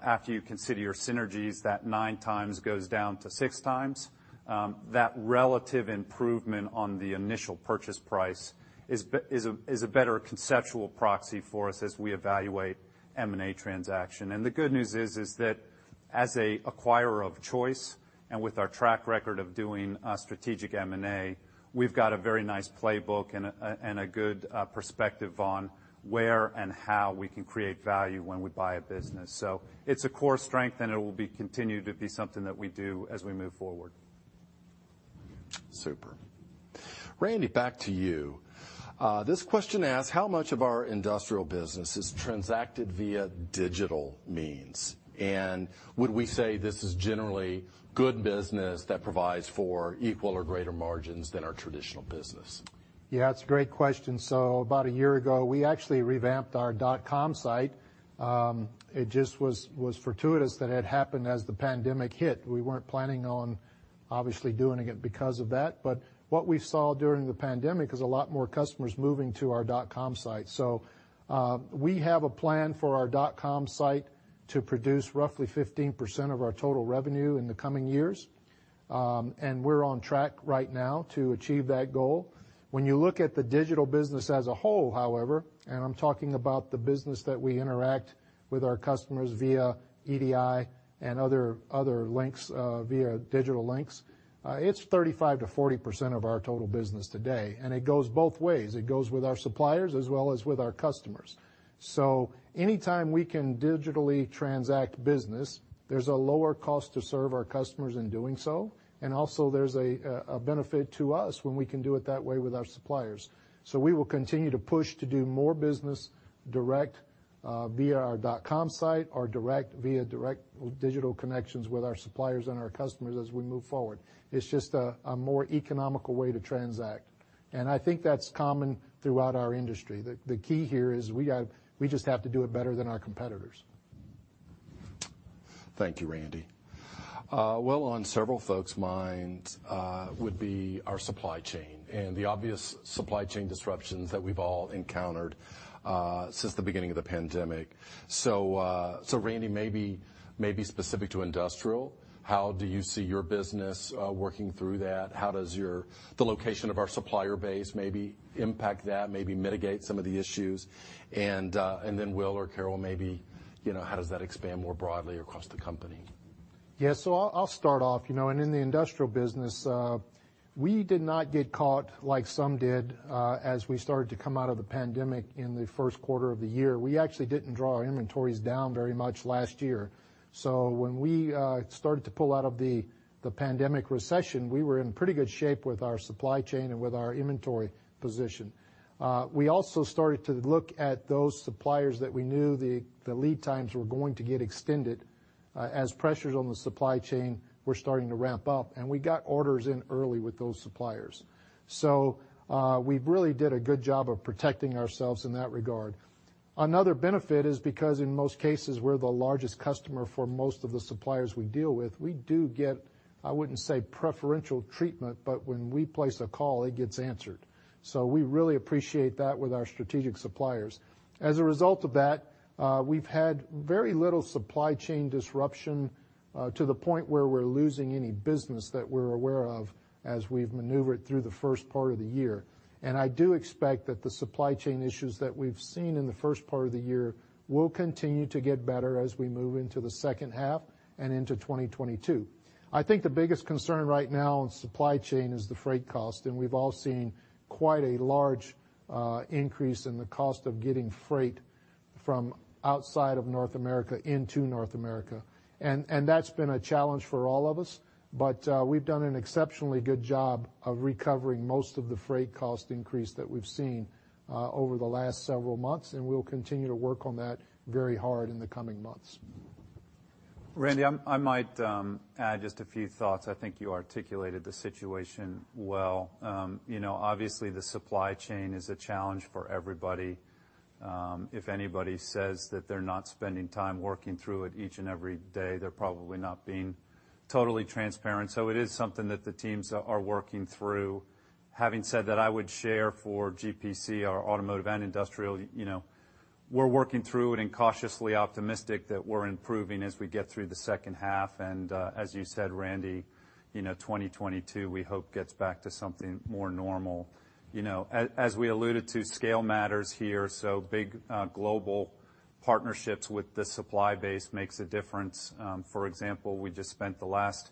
after you consider your synergies, that nine times goes down to six times, that relative improvement on the initial purchase price is a better conceptual proxy for us as we evaluate M&A transaction. The good news is that as an acquirer of choice, and with our track record of doing strategic M&A, we've got a very nice playbook and a good perspective on where and how we can create value when we buy a business. It's a core strength, and it will be continued to be something that we do as we move forward. Super. Randy, back to you. This question asks how much of our industrial business is transacted via digital means, and would we say this is generally good business that provides for equal or greater margins than our traditional business? Yeah, it's a great question. About a year ago, we actually revamped our dot com site. It just was fortuitous that it happened as the pandemic hit. We weren't planning on, obviously, doing it because of that. What we saw during the pandemic is a lot more customers moving to our dot com site. We have a plan for our dot com site to produce roughly 15% of our total revenue in the coming years. We're on track right now to achieve that goal. When you look at the digital business as a whole, however, and I'm talking about the business that we interact with our customers via EDI and other links, via digital links, it's 35%-40% of our total business today, and it goes both ways. It goes with our suppliers as well as with our customers. Anytime we can digitally transact business, there's a lower cost to serve our customers in doing so. Also there's a benefit to us when we can do it that way with our suppliers. We will continue to push to do more business direct via our dot com site or direct via direct digital connections with our suppliers and our customers as we move forward. It's just a more economical way to transact. I think that's common throughout our industry. The key here is we just have to do it better than our competitors. Thank you, Randy. Well on several folks' minds would be our supply chain and the obvious supply chain disruptions that we've all encountered since the beginning of the pandemic. Randy, maybe specific to industrial, how do you see your business working through that? How does the location of our supplier base maybe impact that, maybe mitigate some of the issues? Will or Carol, maybe, how does that expand more broadly across the company? Yeah. I'll start off. In the industrial business, we did not get caught like some did as we started to come out of the pandemic in the first quarter of the year. We actually didn't draw our inventories down very much last year. When we started to pull out of the pandemic recession, we were in pretty good shape with our supply chain and with our inventory position. We also started to look at those suppliers that we knew the lead times were going to get extended as pressures on the supply chain were starting to ramp up, and we got orders in early with those suppliers. We really did a good job of protecting ourselves in that regard. Another benefit is because in most cases, we're the largest customer for most of the suppliers we deal with. We do get, I wouldn't say preferential treatment, but when we place a call, it gets answered. We really appreciate that with our strategic suppliers. As a result of that, we've had very little supply chain disruption, to the point where we're losing any business that we're aware of as we've maneuvered through the first part of the year. I do expect that the supply chain issues that we've seen in the first part of the year will continue to get better as we move into the second half and into 2022. I think the biggest concern right now in supply chain is the freight cost, and we've all seen quite a large increase in the cost of getting freight from outside of North America into North America. That's been a challenge for all of us. we've done an exceptionally good job of recovering most of the freight cost increase that we've seen over the last several months, and we'll continue to work on that very hard in the coming months. Randy, I might add just a few thoughts. I think you articulated the situation well. Obviously, the supply chain is a challenge for everybody. If anybody says that they're not spending time working through it each and every day, they're probably not being totally transparent. It is something that the teams are working through. Having said that, I would share for GPC, our automotive and industrial, we're working through it and cautiously optimistic that we're improving as we get through the second half. As you said, Randy, 2022 we hope gets back to something more normal. As we alluded to, scale matters here, so big global partnerships with the supply base makes a difference. For example, we just spent the last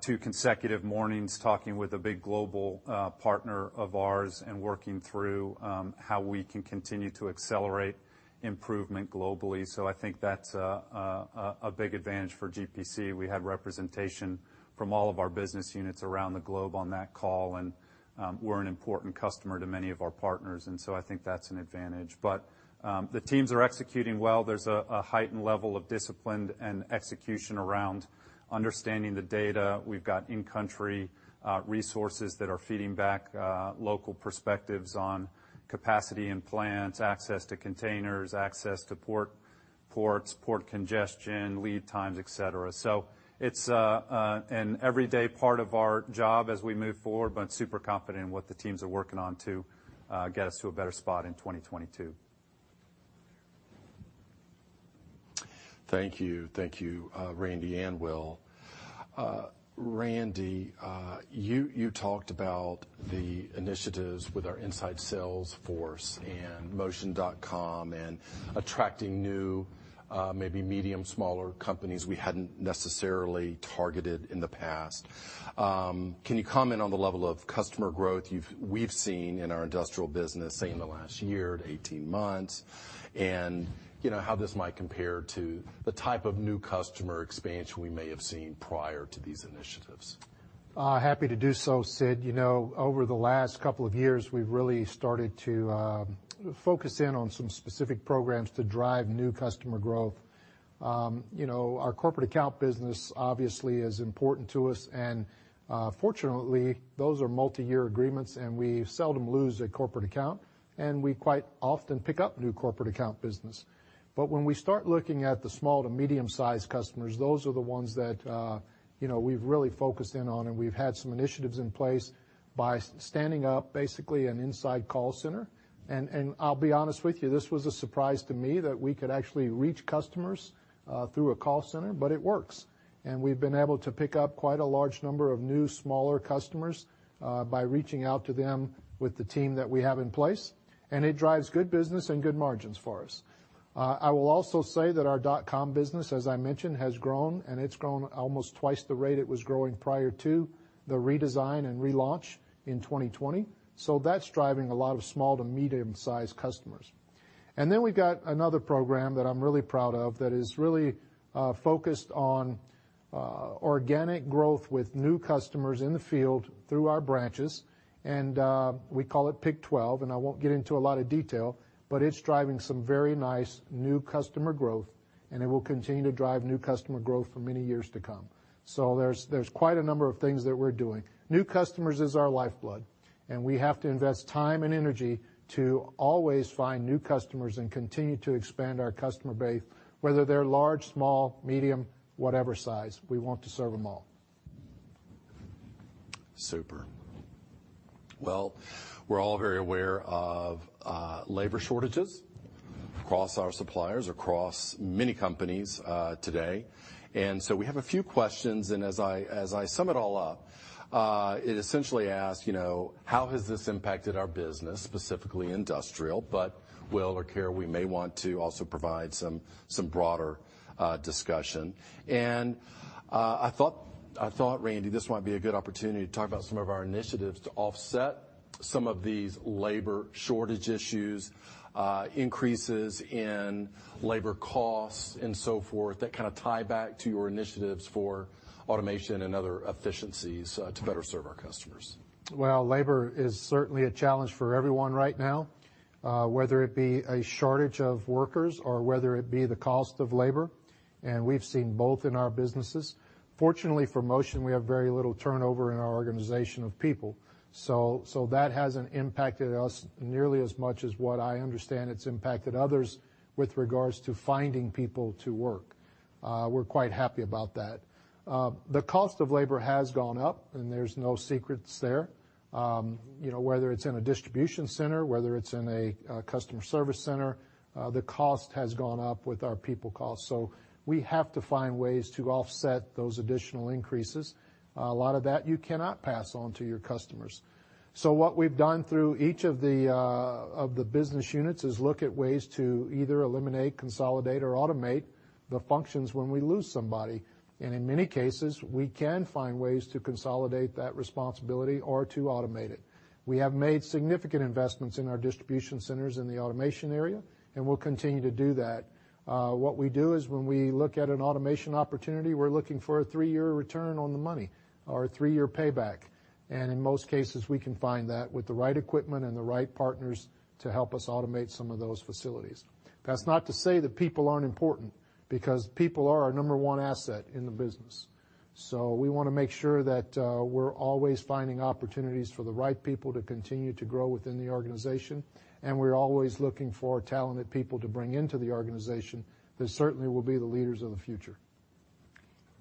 two consecutive mornings talking with a big global partner of ours and working through how we can continue to accelerate improvement globally. I think that's a big advantage for GPC. We had representation from all of our business units around the globe on that call, and we're an important customer to many of our partners. I think that's an advantage. The teams are executing well. There's a heightened level of discipline and execution around understanding the data. We've got in-country resources that are feeding back local perspectives on capacity in plants, access to containers, access to ports, port congestion, lead times, et cetera. It's an everyday part of our job as we move forward, but super confident in what the teams are working on to get us to a better spot in 2022. Thank you. Thank you, Randy and Will. Randy, you talked about the initiatives with our inside sales force and motion.com and attracting new, maybe medium, smaller companies we hadn't necessarily targeted in the past. Can you comment on the level of customer growth we've seen in our industrial business, say, in the last year to 18 months, and how this might compare to the type of new customer expansion we may have seen prior to these initiatives? Happy to do so, Sid. Over the last couple of years, we've really started to focus in on some specific programs to drive new customer growth. Our corporate account business obviously is important to us, and fortunately, those are multi-year agreements, and we seldom lose a corporate account, and we quite often pick up new corporate account business. When we start looking at the small to medium-sized customers, those are the ones that we've really focused in on, and we've had some initiatives in place by standing up basically an inside call center. I'll be honest with you, this was a surprise to me that we could actually reach customers through a call center, but it works. We've been able to pick up quite a large number of new, smaller customers by reaching out to them with the team that we have in place, and it drives good business and good margins for us. I will also say that our dot com business, as I mentioned, has grown, and it's grown almost twice the rate it was growing prior to the redesign and relaunch in 2020. That's driving a lot of small to medium-sized customers. We've got another program that I'm really proud of that is really focused on organic growth with new customers in the field through our branches, and we call it Pick 12, and I won't get into a lot of detail, but it's driving some very nice new customer growth, and it will continue to drive new customer growth for many years to come. There's quite a number of things that we're doing. New customers is our lifeblood, and we have to invest time and energy to always find new customers and continue to expand our customer base, whether they're large, small, medium, whatever size, we want to serve them all. Super. Well, we're all very aware of labor shortages across our suppliers, across many companies today. We have a few questions, and as I sum it all up, it essentially asks, how has this impacted our business, specifically industrial? Will or Carol, we may want to also provide some broader discussion. I thought, Randy, this might be a good opportunity to talk about some of our initiatives to offset some of these labor shortage issues, increases in labor costs, and so forth, that kind of tie back to your initiatives for automation and other efficiencies to better serve our customers. Well, labor is certainly a challenge for everyone right now, whether it be a shortage of workers or whether it be the cost of labor, and we've seen both in our businesses. Fortunately, for Motion, we have very little turnover in our organization of people. That hasn't impacted us nearly as much as what I understand it's impacted others with regards to finding people to work. We're quite happy about that. The cost of labor has gone up, and there's no secrets there. Whether it's in a distribution center, whether it's in a customer service center, the cost has gone up with our people costs. We have to find ways to offset those additional increases. A lot of that you cannot pass on to your customers. What we've done through each of the business units is look at ways to either eliminate, consolidate, or automate the functions when we lose somebody. In many cases, we can find ways to consolidate that responsibility or to automate it. We have made significant investments in our distribution centers in the automation area, and we'll continue to do that. What we do is when we look at an automation opportunity, we're looking for a three-year return on the money or a three-year payback. In most cases, we can find that with the right equipment and the right partners to help us automate some of those facilities. That's not to say that people aren't important, because people are our number one asset in the business. We want to make sure that we're always finding opportunities for the right people to continue to grow within the organization, and we're always looking for talented people to bring into the organization that certainly will be the leaders of the future.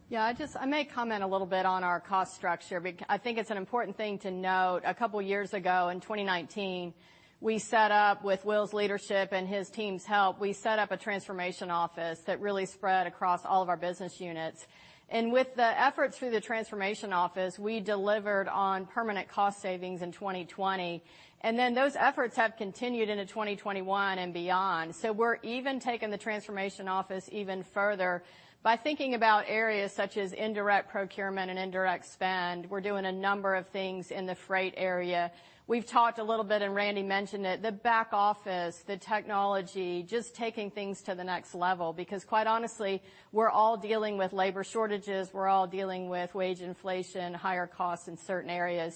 Yeah. I may comment a little bit on our cost structure. I think it's an important thing to note. A couple of years ago, in 2019, we set up with Will's leadership and his team's help, we set up a transformation office that really spread across all of our business units. With the efforts through the transformation office, we delivered on permanent cost savings in 2020, and those efforts have continued into 2021 and beyond. We're even taking the transformation office even further by thinking about areas such as indirect procurement and indirect spend. We're doing a number of things in the freight area. We've talked a little bit, and Randy mentioned it, the back office, the technology, just taking things to the next level because quite honestly, we're all dealing with labor shortages, we're all dealing with wage inflation, higher costs in certain areas.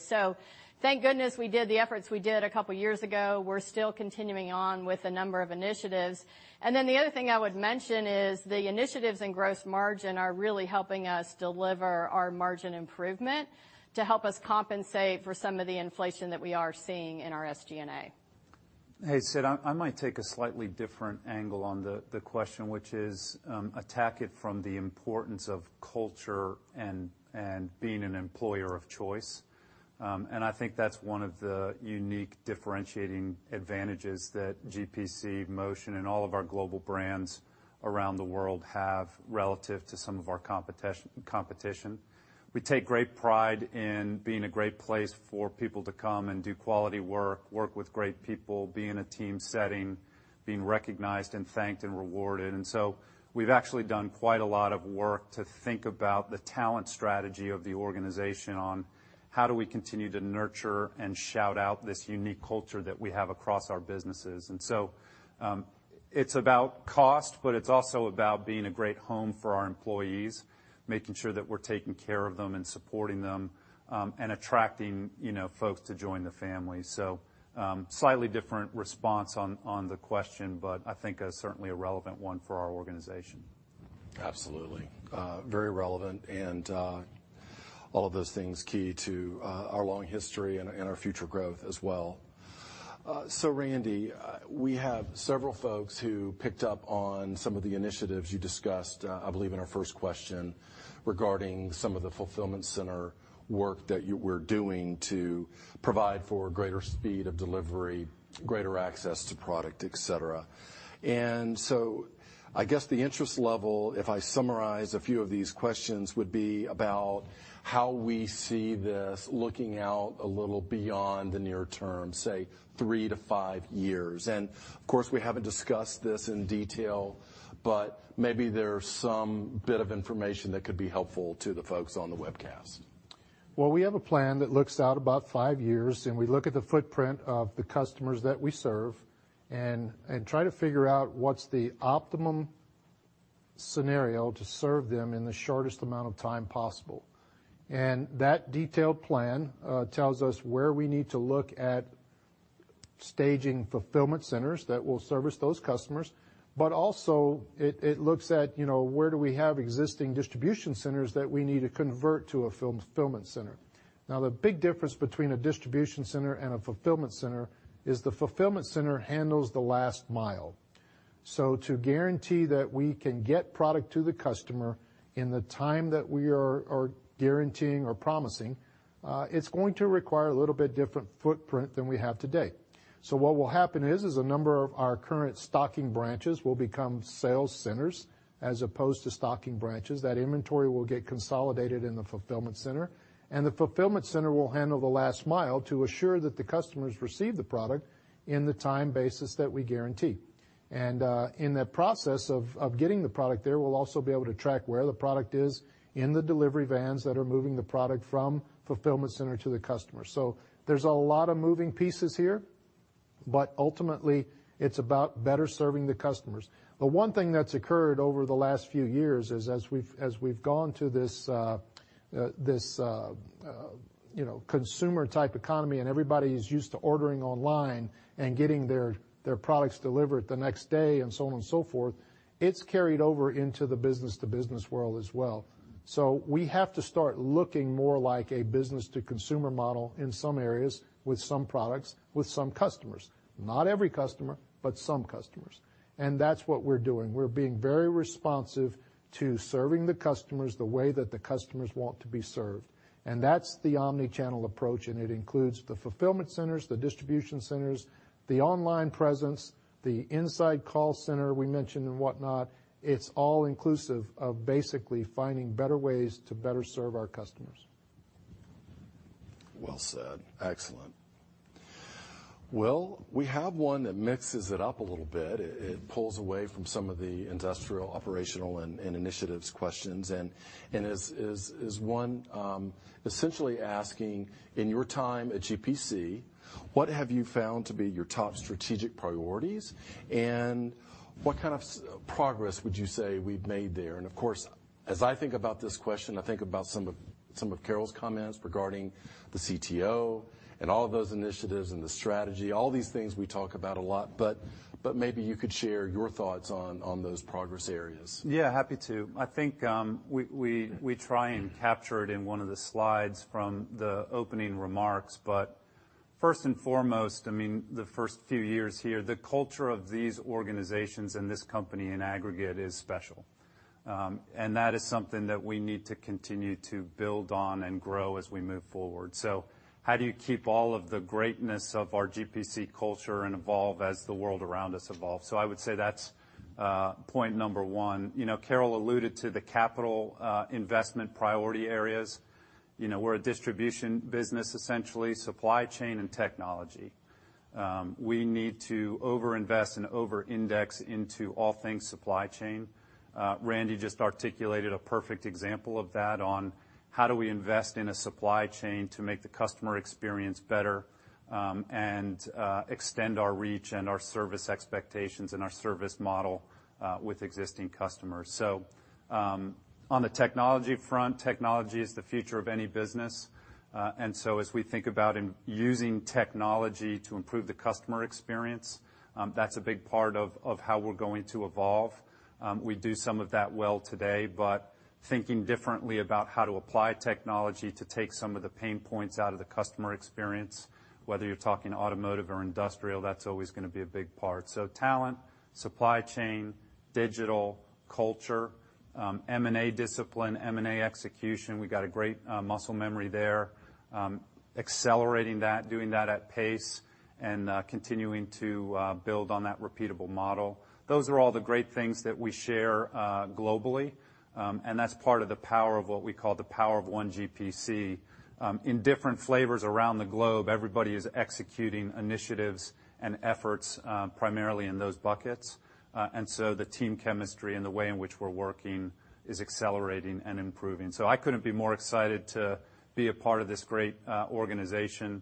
Thank goodness we did the efforts we did a couple of years ago. We're still continuing on with a number of initiatives. The other thing I would mention is the initiatives in gross margin are really helping us deliver our margin improvement to help us compensate for some of the inflation that we are seeing in our SG&A. Hey, Sid, I might take a slightly different angle on the question, which is, attack it from the importance of culture and being an employer of choice. I think that's one of the unique differentiating advantages that GPC, Motion, and all of our global brands around the world have relative to some of our competition. We take great pride in being a great place for people to come and do quality work with great people, be in a team setting, being recognized and thanked and rewarded. We've actually done quite a lot of work to think about the talent strategy of the organization on how do we continue to nurture and shout out this unique culture that we have across our businesses. It's about cost, but it's also about being a great home for our employees, making sure that we're taking care of them and supporting them, and attracting folks to join the family. Slightly different response on the question, but I think certainly a relevant one for our organization. Absolutely. Very relevant. All of those things key to our long history and our future growth as well. Randy, we have several folks who picked up on some of the initiatives you discussed, I believe in our first question regarding some of the fulfillment center work that you were doing to provide for greater speed of delivery, greater access to product, et cetera. I guess the interest level, if I summarize a few of these questions, would be about how we see this looking out a little beyond the near term, say, three to five years. Of course, we haven't discussed this in detail, but maybe there's some bit of information that could be helpful to the folks on the webcast. Well, we have a plan that looks out about five years, and we look at the footprint of the customers that we serve and try to figure out what's the optimum scenario to serve them in the shortest amount of time possible. That detailed plan tells us where we need to look at staging fulfillment centers that will service those customers. Also it looks at where do we have existing distribution centers that we need to convert to a fulfillment center. Now, the big difference between a distribution center and a fulfillment center is the fulfillment center handles the last mile. To guarantee that we can get product to the customer in the time that we are guaranteeing or promising, it's going to require a little bit different footprint than we have today. What will happen is a number of our current stocking branches will become sales centers as opposed to stocking branches. That inventory will get consolidated in the fulfillment center, and the fulfillment center will handle the last mile to assure that the customers receive the product in the timely basis that we guarantee. In the process of getting the product there, we'll also be able to track where the product is in the delivery vans that are moving the product from fulfillment center to the customer. There's a lot of moving pieces here, but ultimately it's about better serving the customers. The one thing that's occurred over the last few years is as we've gone to this consumer-type economy and everybody's used to ordering online and getting their products delivered the next day and so on and so forth, it's carried over into the business-to-business world as well. We have to start looking more like a business-to-consumer model in some areas with some products, with some customers. Not every customer, but some customers. That's what we're doing. We're being very responsive to serving the customers the way that the customers want to be served. That's the omni-channel approach, and it includes the fulfillment centers, the distribution centers, the online presence, the inside call center we mentioned and whatnot. It's all inclusive of basically finding better ways to better serve our customers. Well said. Excellent. Will, we have one that mixes it up a little bit. It pulls away from some of the industrial, operational, and initiatives questions and is one essentially asking, in your time at GPC, what have you found to be your top strategic priorities, and what kind of progress would you say we've made there? Of course, as I think about this question, I think about some of Carol's comments regarding the CTO and all of those initiatives and the strategy, all these things we talk about a lot. Maybe you could share your thoughts on those progress areas. Yeah, happy to. I think we try and capture it in one of the slides from the opening remarks. First and foremost, the first few years here, the culture of these organizations and this company in aggregate is special. And that is something that we need to continue to build on and grow as we move forward. How do you keep all of the greatness of our GPC culture and evolve as the world around us evolves? I would say that's point number one. Carol alluded to the capital investment priority areas. We're a distribution business, essentially, supply chain and technology. We need to over-invest and over-index into all things supply chain. Randy just articulated a perfect example of that on how do we invest in a supply chain to make the customer experience better, and extend our reach and our service expectations and our service model with existing customers. On the technology front, technology is the future of any business. As we think about using technology to improve the customer experience, that's a big part of how we're going to evolve. We do some of that well today, but thinking differently about how to apply technology to take some of the pain points out of the customer experience, whether you're talking automotive or industrial, that's always going to be a big part. Talent, supply chain, digital, culture, M&A discipline, M&A execution, we got a great muscle memory there. Accelerating that, doing that at pace, and continuing to build on that repeatable model. Those are all the great things that we share globally, and that's part of the power of what we call the Power of One GPC. In different flavors around the globe, everybody is executing initiatives and efforts, primarily in those buckets. The team chemistry and the way in which we're working is accelerating and improving. I couldn't be more excited to be a part of this great organization.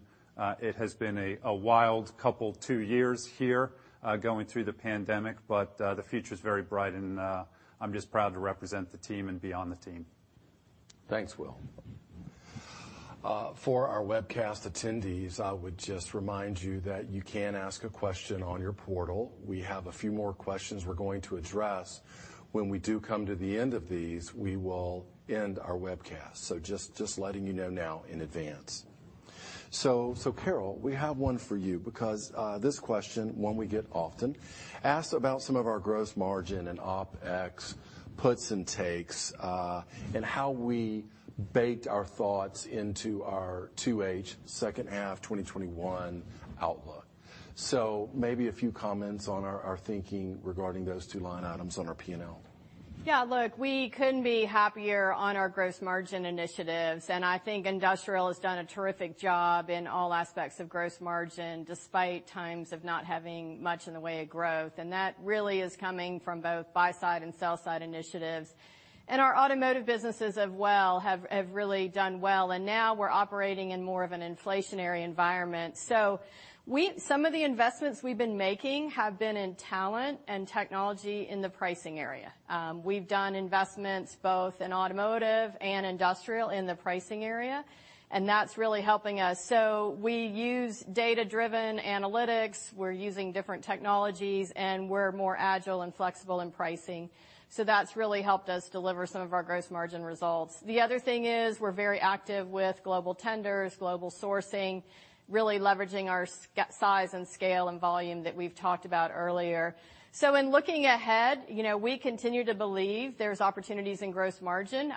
It has been a wild couple two years here, going through the pandemic, but the future's very bright and I'm just proud to represent the team and be on the team. Thanks, Will. For our webcast attendees, I would just remind you that you can ask a question on your portal. We have a few more questions we're going to address. When we do come to the end of these, we will end our webcast. Just letting you know now in advance. Carol, we have one for you because, this question, one we get often, asks about some of our gross margin and OpEx puts and takes, and how we baked our thoughts into our 2H second half 2021 outlook. Maybe a few comments on our thinking regarding those two line items on our P&L. Yeah, look, we couldn't be happier on our gross margin initiatives. I think Industrial has done a terrific job in all aspects of gross margin, despite times of not having much in the way of growth. That really is coming from both buy side and sell side initiatives. Our automotive businesses have really done well. Now we're operating in more of an inflationary environment. Some of the investments we've been making have been in talent and technology in the pricing area. We've done investments both in automotive and Industrial in the pricing area. That's really helping us. We use data-driven analytics, we're using different technologies. We're more agile and flexible in pricing. That's really helped us deliver some of our gross margin results. The other thing is we're very active with global tenders, global sourcing, really leveraging our size and scale and volume that we've talked about earlier. In looking ahead, we continue to believe there's opportunities in gross margin.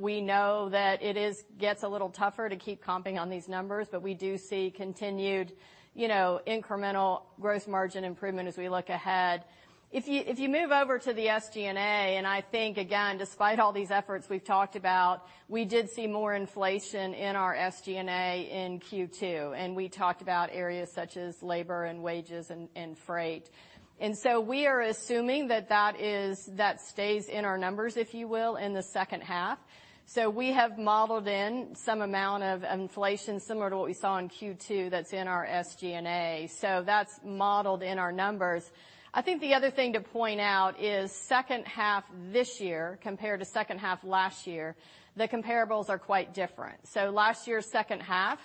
We know that it gets a little tougher to keep comping on these numbers, but we do see continued incremental gross margin improvement as we look ahead. If you move over to the SG&A, and I think, again, despite all these efforts we've talked about, we did see more inflation in our SG&A in Q2, and we talked about areas such as labor and wages and freight. We are assuming that that stays in our numbers, if you will, in the second half. We have modeled in some amount of inflation similar to what we saw in Q2 that's in our SG&A. That's modeled in our numbers. I think the other thing to point out is second half this year compared to second half last year, the comparables are quite different. Last year's second half,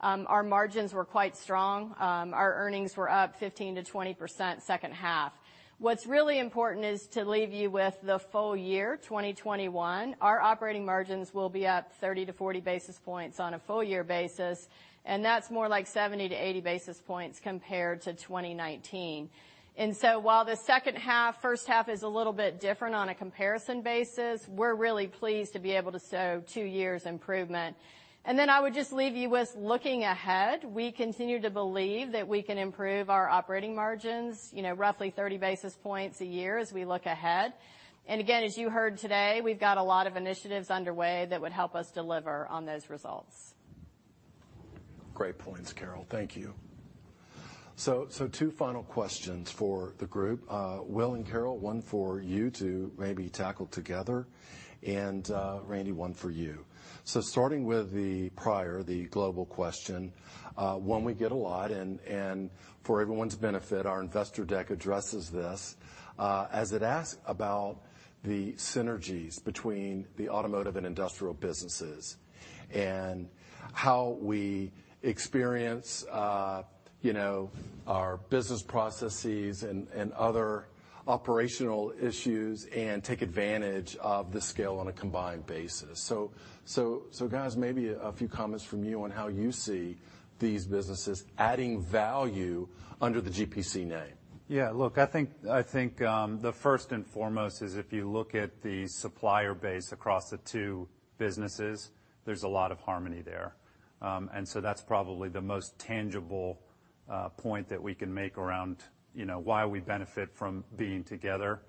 our margins were quite strong. Our earnings were up 15%-20% second half. What's really important is to leave you with the full year 2021. Our operating margins will be up 30 basis points-40 basis points on a full year basis, and that's more like 70 basis points-80 basis points compared to 2019. While the second half, first half is a little bit different on a comparison basis, we're really pleased to be able to show two years improvement. I would just leave you with looking ahead, we continue to believe that we can improve our operating margins roughly 30 basis points a year as we look ahead. Again, as you heard today, we've got a lot of initiatives underway that would help us deliver on those results. Great points, Carol. Thank you. Two final questions for the group. Will and Carol, one for you two maybe tackle together, and Randy, one for you. Starting with the prior, the global question, one we get a lot, and for everyone's benefit, our investor deck addresses this, as it asks about the synergies between the automotive and industrial businesses, and how we experience our business processes and other operational issues and take advantage of the scale on a combined basis. Guys, maybe a few comments from you on how you see these businesses adding value under the GPC name. I think the first and foremost is if you look at the supplier base across the two businesses, there's a lot of harmony there. That's probably the most tangible point that we can make around why we benefit from being together.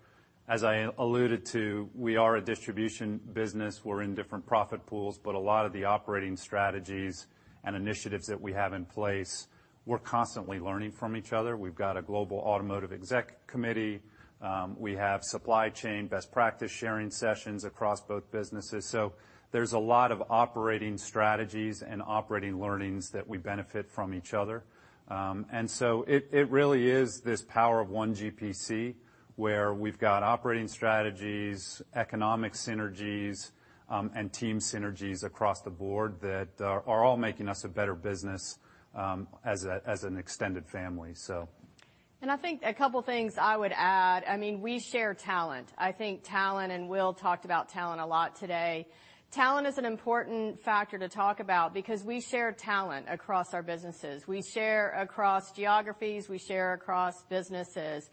As I alluded to, we are a distribution business. We're in different profit pools, but a lot of the operating strategies and initiatives that we have in place, we're constantly learning from each other. We've got a global automotive exec committee. We have supply chain best practice sharing sessions across both businesses. There's a lot of operating strategies and operating learnings that we benefit from each other. It really is this Power of One GPC, where we've got operating strategies, economic synergies, and team synergies across the board that are all making us a better business as an extended family, so. I think a couple things I would add, we share talent. I think talent, and Will talked about talent a lot today. Talent is an important factor to talk about because we share talent across our businesses. We share across geographies, we share across businesses,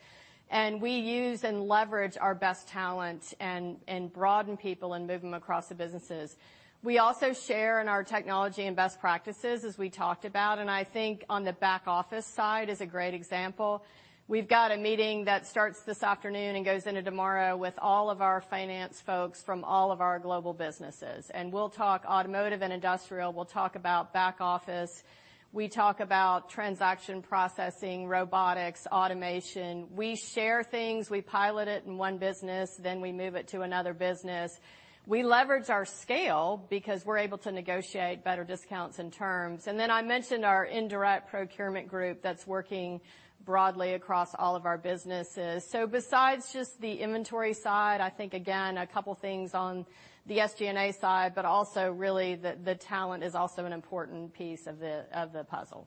and we use and leverage our best talent and broaden people and move them across the businesses. We also share in our technology and best practices, as we talked about, and I think on the back office side is a great example. We've got a meeting that starts this afternoon and goes into tomorrow with all of our finance folks from all of our global businesses, and we'll talk automotive and industrial. We'll talk about back office. We talk about transaction processing, robotics, automation. We share things, we pilot it in one business, then we move it to another business. We leverage our scale because we're able to negotiate better discounts and terms. I mentioned our indirect procurement group that's working broadly across all of our businesses. Besides just the inventory side, I think, again, a couple things on the SG&A side, but also really the talent is also an important piece of the puzzle.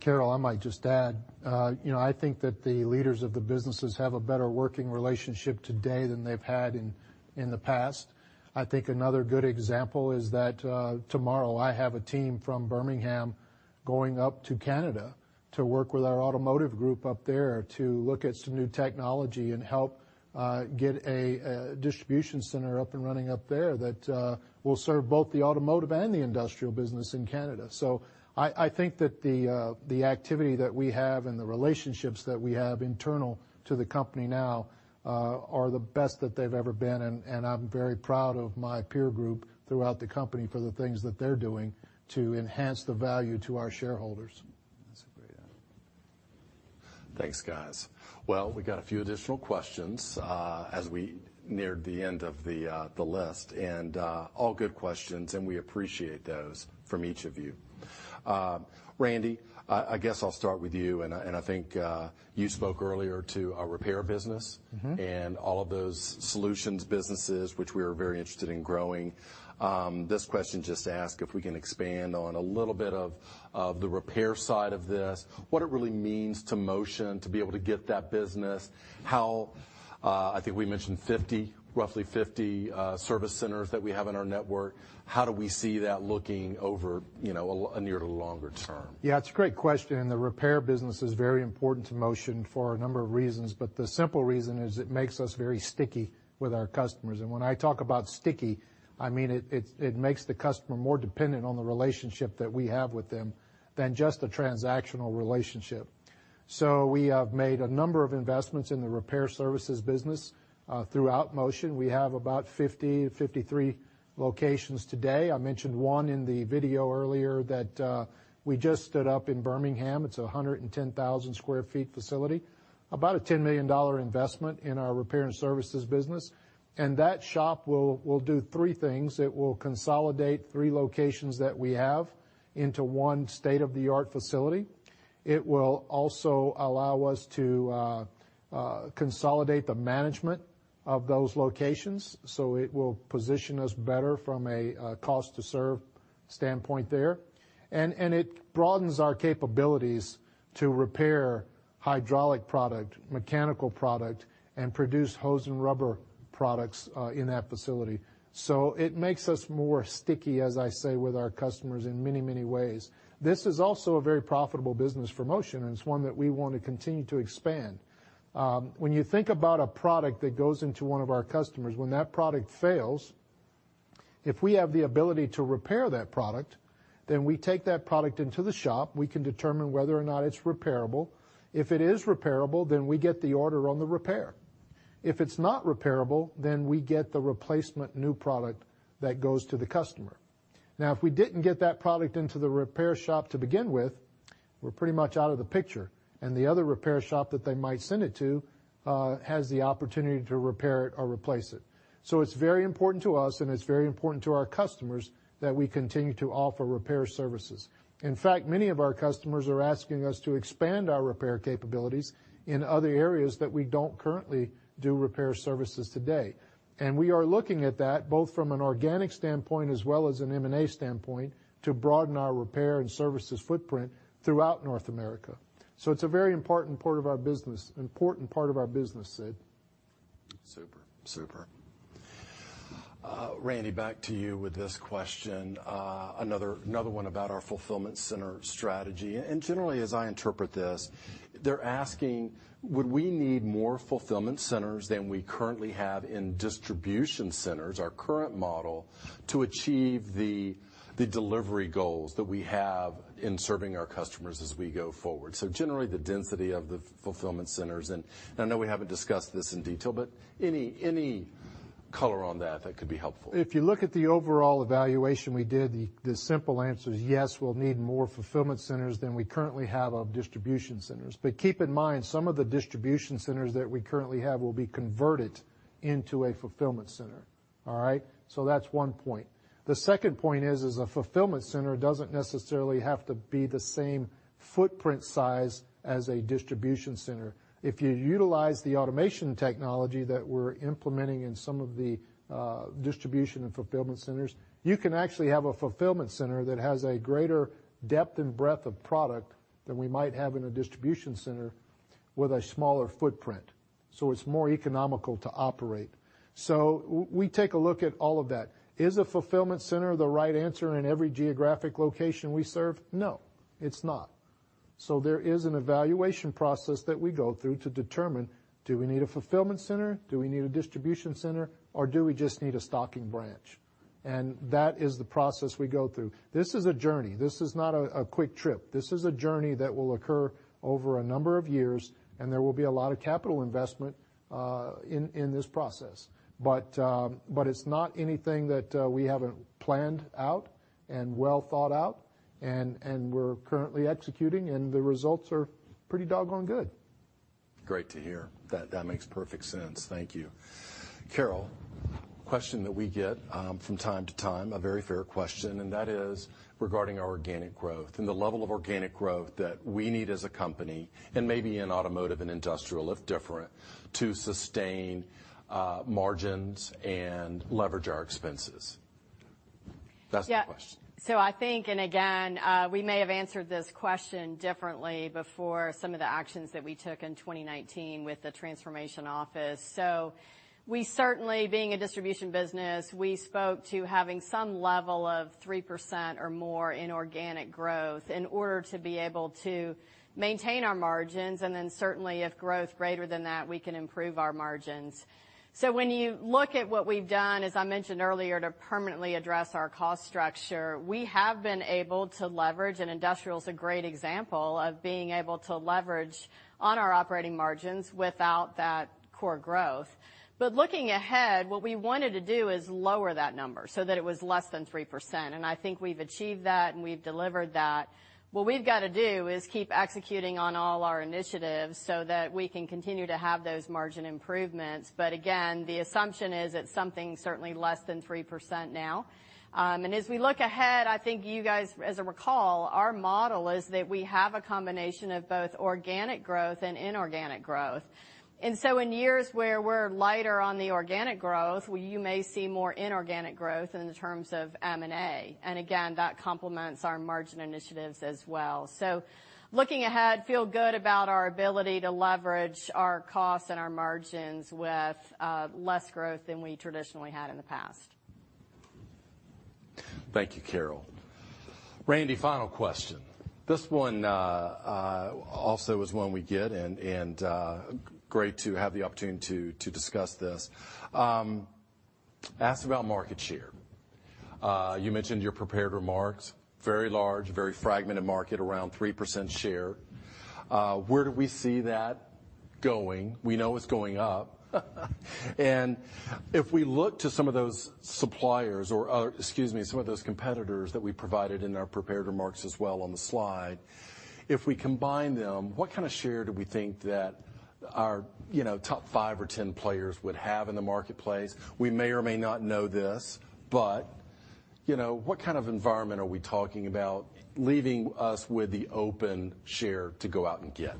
Carol, I might just add, I think that the leaders of the businesses have a better working relationship today than they've had in the past. I think another good example is that tomorrow I have a team from Birmingham going up to Canada to work with our automotive group up there to look at some new technology and help get a distribution center up and running up there that will serve both the automotive and the industrial business in Canada. I think that the activity that we have and the relationships that we have internal to the company now are the best that they've ever been, and I'm very proud of my peer group throughout the company for the things that they're doing to enhance the value to our shareholders. That's a great add. Thanks, guys. Well, we got a few additional questions as we neared the end of the list, and all good questions, and we appreciate those from each of you. Randy, I guess I'll start with you, and I think you spoke earlier to our repair business, and all of those solutions businesses, which we are very interested in growing. This question just asked if we can expand on a little bit of the repair side of this, what it really means to Motion to be able to get that business, how, I think we mentioned 50, roughly 50 service centers that we have in our network. How do we see that looking over a near to longer term? Yeah, it's a great question, and the repair business is very important to Motion for a number of reasons. The simple reason is it makes us very sticky with our customers. When I talk about sticky, I mean it makes the customer more dependent on the relationship that we have with them than just a transactional relationship. We have made a number of investments in the repair services business throughout Motion. We have about 50-53 locations today. I mentioned one in the video earlier that we just stood up in Birmingham. It's 110,000 sq ft facility, about a $10 million investment in our repair and services business. That shop will do three things. It will consolidate three locations that we have into one state-of-the-art facility. It will also allow us to consolidate the management of those locations, so it will position us better from a cost-to-serve standpoint there. It broadens our capabilities to repair hydraulic product, mechanical product, and produce hose and rubber products in that facility. It makes us more sticky, as I say, with our customers in many, many ways. This is also a very profitable business for Motion, and it's one that we want to continue to expand. When you think about a product that goes into one of our customers, when that product fails, if we have the ability to repair that product, then we take that product into the shop, we can determine whether or not it's repairable. If it is repairable, then we get the order on the repair. If it's not repairable, then we get the replacement new product that goes to the customer. Now, if we didn't get that product into the repair shop to begin with, we're pretty much out of the picture, and the other repair shop that they might send it to has the opportunity to repair it or replace it. It's very important to us, and it's very important to our customers that we continue to offer repair services. In fact, many of our customers are asking us to expand our repair capabilities in other areas that we don't currently do repair services today. We are looking at that, both from an organic standpoint as well as an M&A standpoint, to broaden our repair and services footprint throughout North America. It's a very important part of our business, Sid. Super. Randy, back to you with this question. Another one about our fulfillment center strategy. Generally, as I interpret this, they're asking would we need more fulfillment centers than we currently have in distribution centers, our current model, to achieve the delivery goals that we have in serving our customers as we go forward. Generally, the density of the fulfillment centers, and I know we haven't discussed this in detail, but any color on that could be helpful. If you look at the overall evaluation we did, the simple answer is yes, we'll need more fulfillment centers than we currently have of distribution centers. Keep in mind, some of the distribution centers that we currently have will be converted into a fulfillment center. All right? That's one point. The second point is a fulfillment center doesn't necessarily have to be the same footprint size as a distribution center. If you utilize the automation technology that we're implementing in some of the distribution and fulfillment centers, you can actually have a fulfillment center that has a greater depth and breadth of product than we might have in a distribution center with a smaller footprint. It's more economical to operate. We take a look at all of that. Is a fulfillment center the right answer in every geographic location we serve? No, it's not. There is an evaluation process that we go through to determine, do we need a fulfillment center? Do we need a distribution center, or do we just need a stocking branch? That is the process we go through. This is a journey. This is not a quick trip. This is a journey that will occur over a number of years, and there will be a lot of capital investment in this process. It's not anything that we haven't planned out and well thought out and we're currently executing, and the results are pretty doggone good. Great to hear. That makes perfect sense. Thank you. Carol, question that we get from time to time, a very fair question, and that is regarding our organic growth and the level of organic growth that we need as a company, and maybe in automotive and industrial, if different, to sustain margins and leverage our expenses. That's the question. Yeah. I think, and again, we may have answered this question differently before some of the actions that we took in 2019 with the transformation office. We certainly, being a distribution business, we spoke to having some level of 3% or more in organic growth in order to be able to maintain our margins, and then certainly if growth greater than that, we can improve our margins. When you look at what we've done, as I mentioned earlier, to permanently address our cost structure, we have been able to leverage, and Industrial's a great example of being able to leverage on our operating margins without that core growth. Looking ahead, what we wanted to do is lower that number so that it was less than 3%, and I think we've achieved that, and we've delivered that. What we've got to do is keep executing on all our initiatives so that we can continue to have those margin improvements. Again, the assumption is it's something certainly less than 3% now. As we look ahead, I think you guys, as a recall, our model is that we have a combination of both organic growth and inorganic growth. In years where we're lighter on the organic growth, you may see more inorganic growth in the terms of M&A. Again, that complements our margin initiatives as well. Looking ahead, feel good about our ability to leverage our costs and our margins with less growth than we traditionally had in the past. Thank you, Carol. Randy, final question. This one also is one we get, and great to have the opportunity to discuss this. Ask about market share. You mentioned your prepared remarks, very large, very fragmented market, around 3% share. Where do we see that going? We know it's going up. If we look to some of those suppliers or, excuse me, some of those competitors that we provided in our prepared remarks as well on the slide, if we combine them, what kind of share do we think that our top 5 or 10 players would have in the marketplace? We may or may not know this, but what kind of environment are we talking about, leaving us with the open share to go out and get?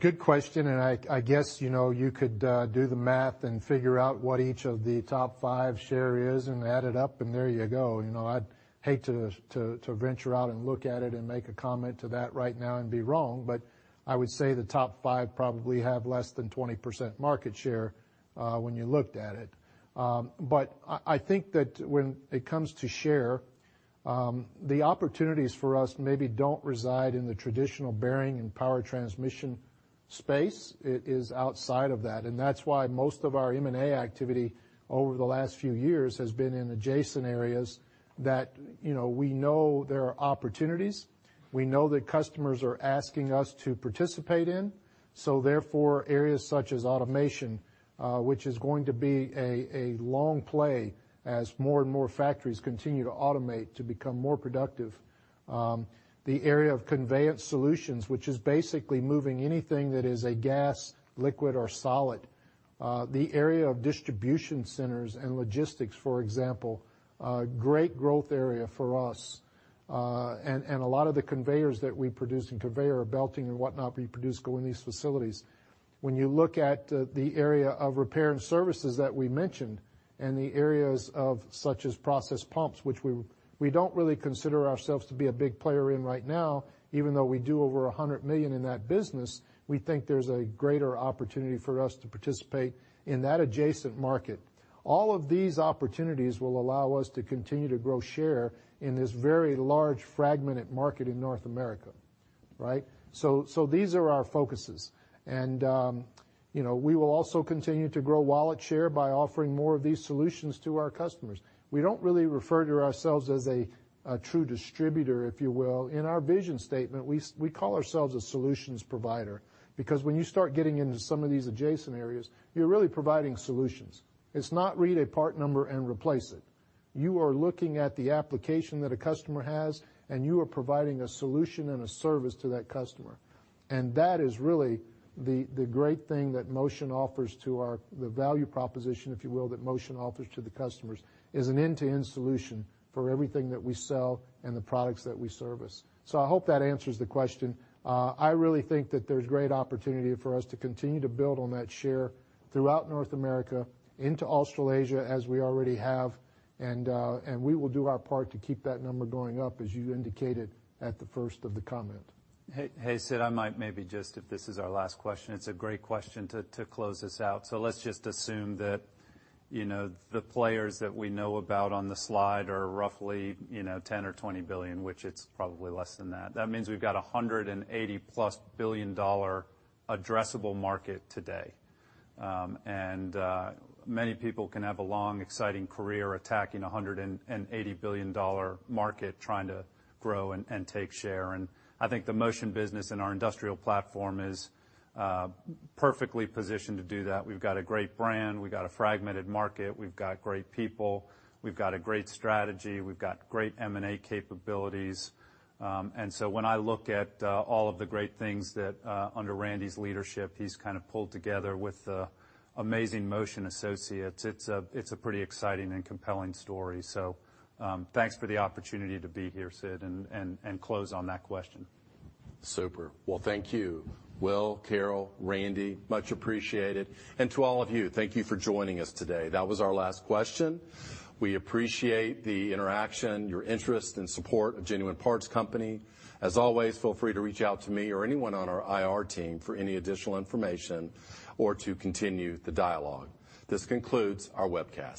Good question, and I guess you could do the math and figure out what each of the top five share is and add it up, and there you go. I'd hate to venture out and look at it and make a comment to that right now and be wrong, but I would say the top five probably have less than 20% market share when you looked at it. I think that when it comes to share, the opportunities for us maybe don't reside in the traditional bearing and power transmission space. It is outside of that, and that's why most of our M&A activity over the last few years has been in adjacent areas that we know there are opportunities. We know that customers are asking us to participate in. Therefore, areas such as automation, which is going to be a long play as more and more factories continue to automate to become more productive. The area of conveyance solutions, which is basically moving anything that is a gas, liquid, or solid. The area of distribution centers and logistics, for example, a great growth area for us. A lot of the conveyors that we produce, and conveyor belting and whatnot we produce, go in these facilities. When you look at the area of repair and services that we mentioned and the areas of such as process pumps, which we don't really consider ourselves to be a big player in right now, even though we do over $100 million in that business, we think there's a greater opportunity for us to participate in that adjacent market. All of these opportunities will allow us to continue to grow share in this very large fragmented market in North America. These are our focuses. We will also continue to grow wallet share by offering more of these solutions to our customers. We don't really refer to ourselves as a true distributor, if you will. In our vision statement, we call ourselves a solutions provider, because when you start getting into some of these adjacent areas, you're really providing solutions. It's not read a part number and replace it. You are looking at the application that a customer has, and you are providing a solution and a service to that customer. that is really the great thing that Motion offers to the value proposition, if you will, that Motion offers to the customers, is an end-to-end solution for everything that we sell and the products that we service. I hope that answers the question. I really think that there's great opportunity for us to continue to build on that share throughout North America, into Australasia, as we already have. we will do our part to keep that number going up, as you indicated at the first of the comment. Hey, Sid, if this is our last question, it's a great question to close this out. Let's just assume that the players that we know about on the slide are roughly 10 or 20 billion, which it's probably less than that. That means we've got $180+ billion addressable market today. Many people can have a long, exciting career attacking $180 billion market trying to grow and take share. I think the Motion business and our industrial platform is perfectly positioned to do that. We've got a great brand. We've got a fragmented market. We've got great people. We've got a great strategy. We've got great M&A capabilities. When I look at all of the great things that under Randy's leadership, he's kind of pulled together with the amazing Motion associates, it's a pretty exciting and compelling story. Thanks for the opportunity to be here, Sid, and close on that question. Super. Well, thank you. Will, Carol, Randy, much appreciated. to all of you, thank you for joining us today. That was our last question. We appreciate the interaction, your interest, and support of Genuine Parts Company. As always, feel free to reach out to me or anyone on our IR team for any additional information or to continue the dialogue. This concludes our webcast.